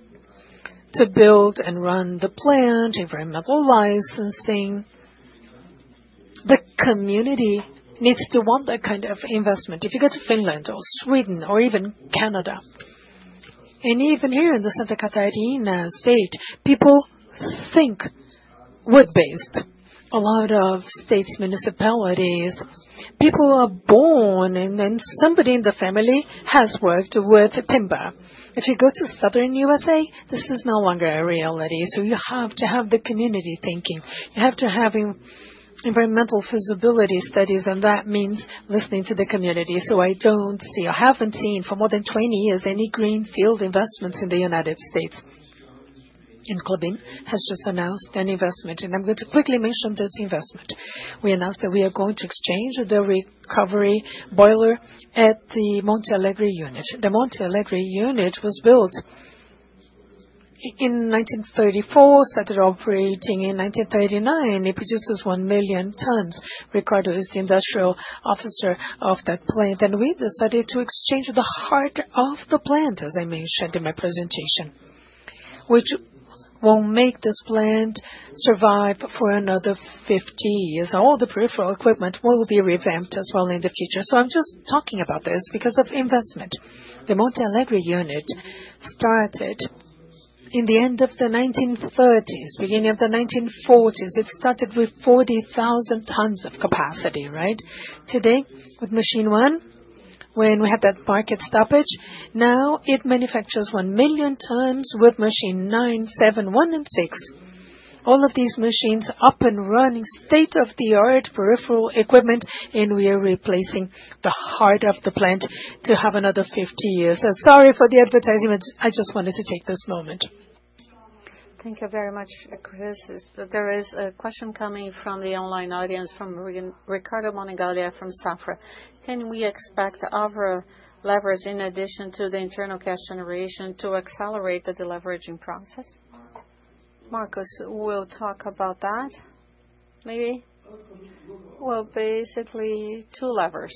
to build and run the plant, environmental licensing. The community needs to want that kind of investment. If you go to Finland or Sweden or even Canada, and even here in the Santa Catarina state, people think wood-based. A lot of states, municipalities, people are born, and then somebody in the family has worked with timber. If you go to southern USA, this is no longer a reality. So you have to have the community thinking. You have to have environmental feasibility studies, and that means listening to the community. So I don't see or haven't seen for more than 20 years any greenfield investments in the United States. And Klabin has just announced an investment, and I'm going to quickly mention this investment. We announced that we are going to exchange the recovery boiler at the Monte Alegre unit. The Monte Alegre unit was built in 1934, started operating in 1939. It produces one million tons. Ricardo is the industrial officer of that plant. And we decided to exchange the heart of the plant, as I mentioned in my presentation, which will make this plant survive for another 50 years. All the peripheral equipment will be revamped as well in the future. So I'm just talking about this because of investment. The Monte Alegre unit started in the end of the 1930s, beginning of the 1940s. It started with 40,000 tons of capacity, right? Today, with machine one, when we had that market stoppage, now it manufactures one million tons with machine nine, seven, one, and six. All of these machines are up and running, state-of-the-art peripheral equipment, and we are replacing the heart of the plant to have another 50 years. Sorry for the advertisement. I just wanted to take this moment. Thank you very much, Chris. There is a question coming from the online audience from Ricardo Monegaglia from Safra. Can we expect other levers, in addition to the internal cash generation, to accelerate the deleveraging process? Marcos will talk about that, maybe. Basically, two levers.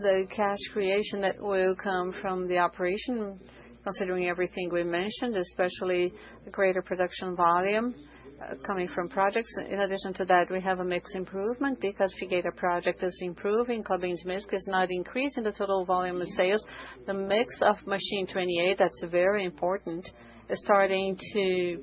The cash creation that will come from the operation, considering everything we mentioned, especially the greater production volume coming from projects. In addition to that, we have a mix improvement because Figueira project is improving. Klabin's mix is not increasing the total volume of sales. The mix of machine 28, that's very important, is starting to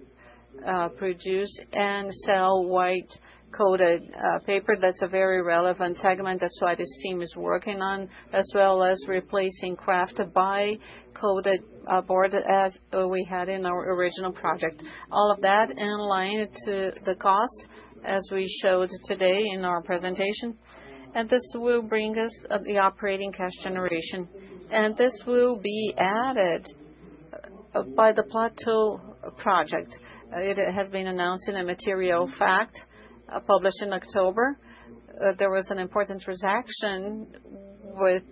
produce and sell white-coated paper. That's a very relevant segment. That's why this team is working on, as well as replacing kraft by coated board as we had in our original project. All of that in line to the cost, as we showed today in our presentation. This will bring us the operating cash generation. This will be added by the Project Plateau. It has been announced in a material fact published in October. There was an important transaction with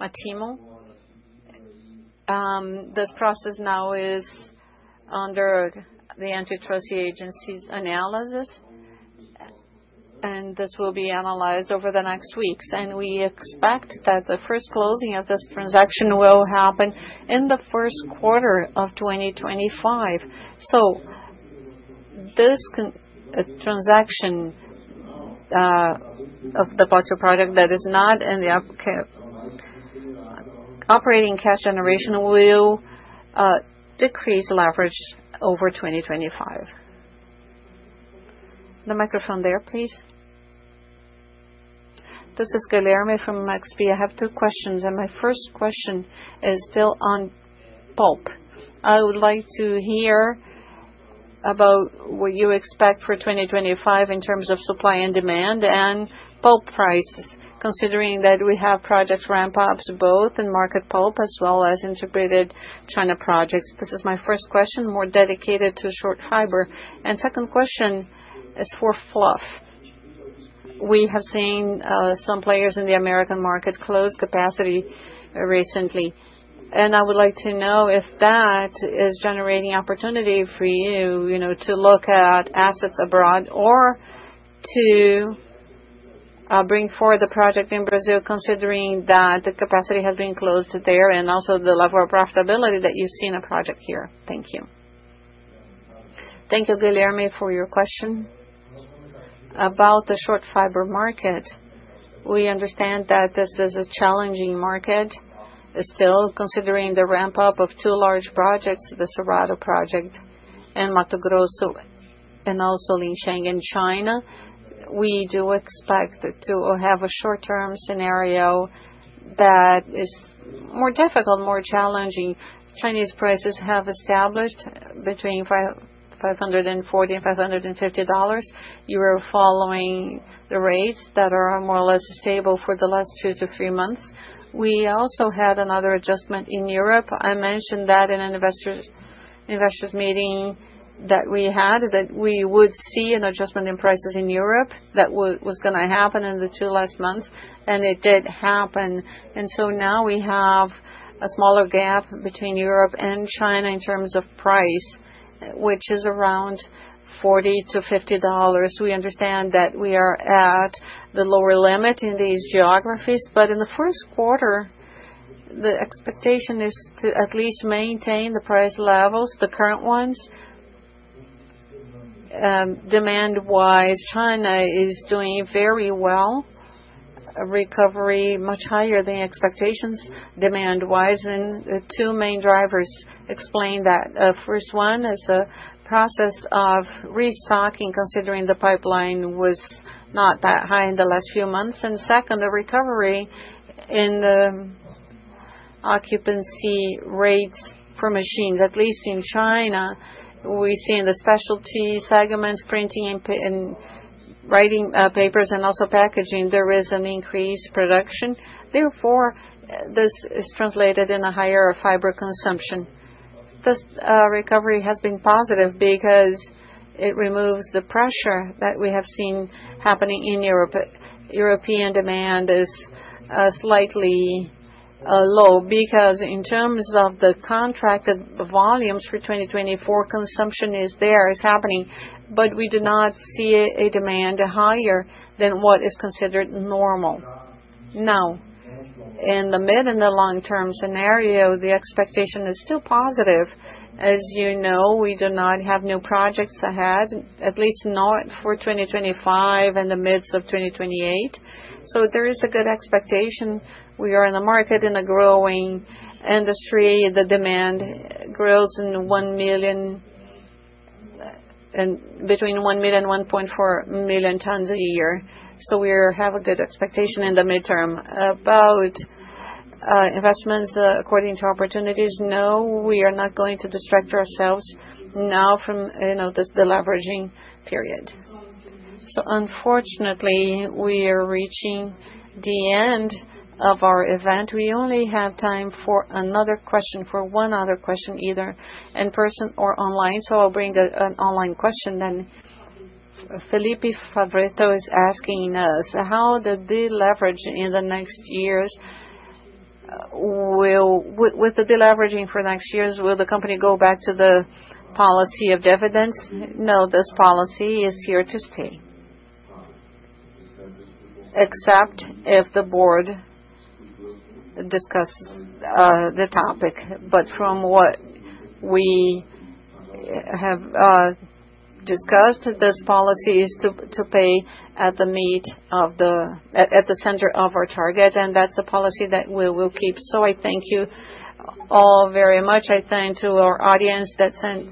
TIMO. This process now is under the Antitrust Agency's analysis, and this will be analyzed over the next weeks, and we expect that the first closing of this transaction will happen in the first quarter of 2025, so this transaction of the Project Plateau that is not in the operating cash generation will decrease leverage over 2025. The microphone there, please. This is Guilherme from MaxB. I have two questions, and my first question is still on pulp. I would like to hear about what you expect for 2025 in terms of supply and demand and pulp prices, considering that we have projects ramp up both in market pulp as well as integrated China projects. This is my first question, more dedicated to short fiber, and second question is for fluff. We have seen some players in the American market close capacity recently. And I would like to know if that is generating opportunity for you to look at assets abroad or to bring forward the project in Brazil, considering that the capacity has been closed there and also the level of profitability that you've seen a project here. Thank you. Thank you, Guilherme, for your question about the short fiber market. We understand that this is a challenging market still, considering the ramp-up of two large projects, the Cerrado Project and Mato Grosso, and also Liansheng in China. We do expect to have a short-term scenario that is more difficult, more challenging. Chinese prices have established between $540 and $550. You are following the rates that are more or less stable for the last two to three months. We also had another adjustment in Europe. I mentioned that in an investors meeting that we had, that we would see an adjustment in prices in Europe that was going to happen in the two last months, and it did happen, and so now we have a smaller gap between Europe and China in terms of price, which is around $40-$50. We understand that we are at the lower limit in these geographies, but in the first quarter, the expectation is to at least maintain the price levels, the current ones. Demand-wise, China is doing very well. Recovery much higher than expectations demand-wise, and two main drivers explain that. First one is a process of restocking, considering the pipeline was not that high in the last few months. And second, the recovery in the occupancy rates for machines, at least in China, we see in the specialty segments, printing and writing papers, and also packaging. There is an increased production. Therefore, this is translated in a higher fiber consumption. This recovery has been positive because it removes the pressure that we have seen happening in Europe. European demand is slightly low because in terms of the contracted volumes for 2024, consumption is there, is happening, but we do not see a demand higher than what is considered normal. Now, in the mid and the long-term scenario, the expectation is still positive. As you know, we do not have new projects ahead, at least not for 2025 and the midst of 2028. So there is a good expectation. We are in a market in a growing industry. The demand grows between one million and 1.4 million tons a year. So we have a good expectation in the medium term. About investments according to opportunities, no, we are not going to distract ourselves now from the deleveraging period. So unfortunately, we are reaching the end of our event. We only have time for another question, for one other question, either in person or online. So I'll bring an online question then. Felipe Favretto is asking us, how the deleveraging in the next years will with the deleveraging for next years, will the company go back to the policy of dividends? No, this policy is here to stay, except if the board discusses the topic. But from what we have discussed, this policy is to pay at the center of our target, and that's the policy that we will keep. So I thank you all very much. I thank our audience that sent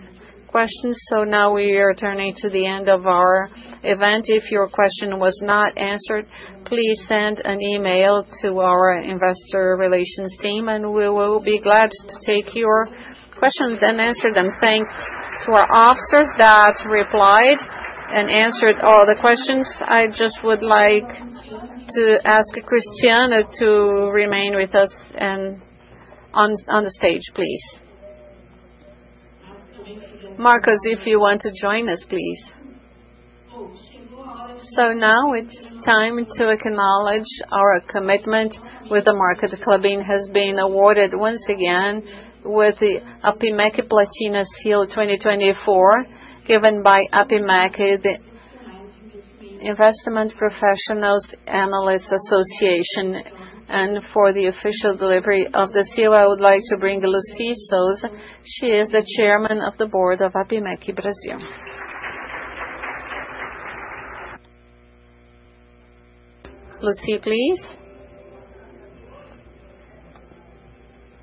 questions. So now we are turning to the end of our event. If your question was not answered, please send an email to our investor relations team, and we will be glad to take your questions and answer them. Thanks to our officers that replied and answered all the questions. I just would like to ask Cristiano to remain with us and on the stage, please. Marcos, if you want to join us, please. So now it's time to acknowledge our commitment with the market. Klabin has been awarded once again with the APIMEC Platinum Seal 2024, given by APIMEC Investment Professionals Analyst Association. And for the official delivery of the seal, I would like to bring Lucy Sousa. She is the chairman of the board of APIMEC Brasil. Lucy, please.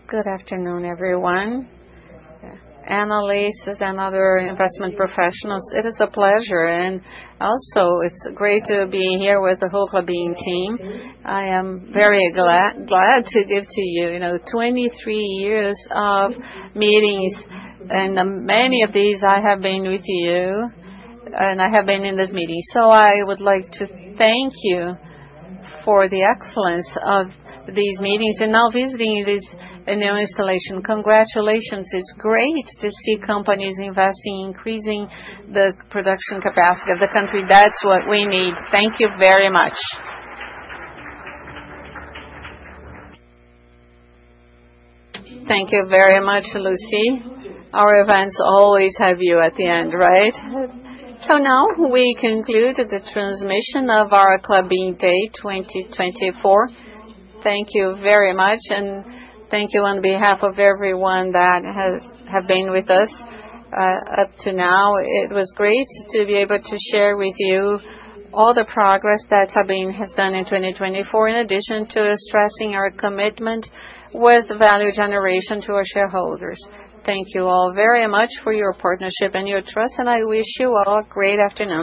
Good afternoon, everyone. Analysts and other investment professionals, it is a pleasure. Also, it's great to be here with the whole Klabin team. I am very glad to give to you 23 years of meetings. Many of these, I have been with you, and I have been in this meeting. I would like to thank you for the excellence of these meetings and now visiting this new installation. Congratulations. It's great to see companies investing, increasing the production capacity of the country. That's what we need. Thank you very much. Thank you very much, Lucy. Our events always have you at the end, right? Now we conclude the transmission of our Klabin Day 2024. Thank you very much. Thank you on behalf of everyone that has been with us up to now. It was great to be able to share with you all the progress that Klabin has done in 2024, in addition to stressing our commitment with value generation to our shareholders. Thank you all very much for your partnership and your trust, and I wish you all a great afternoon.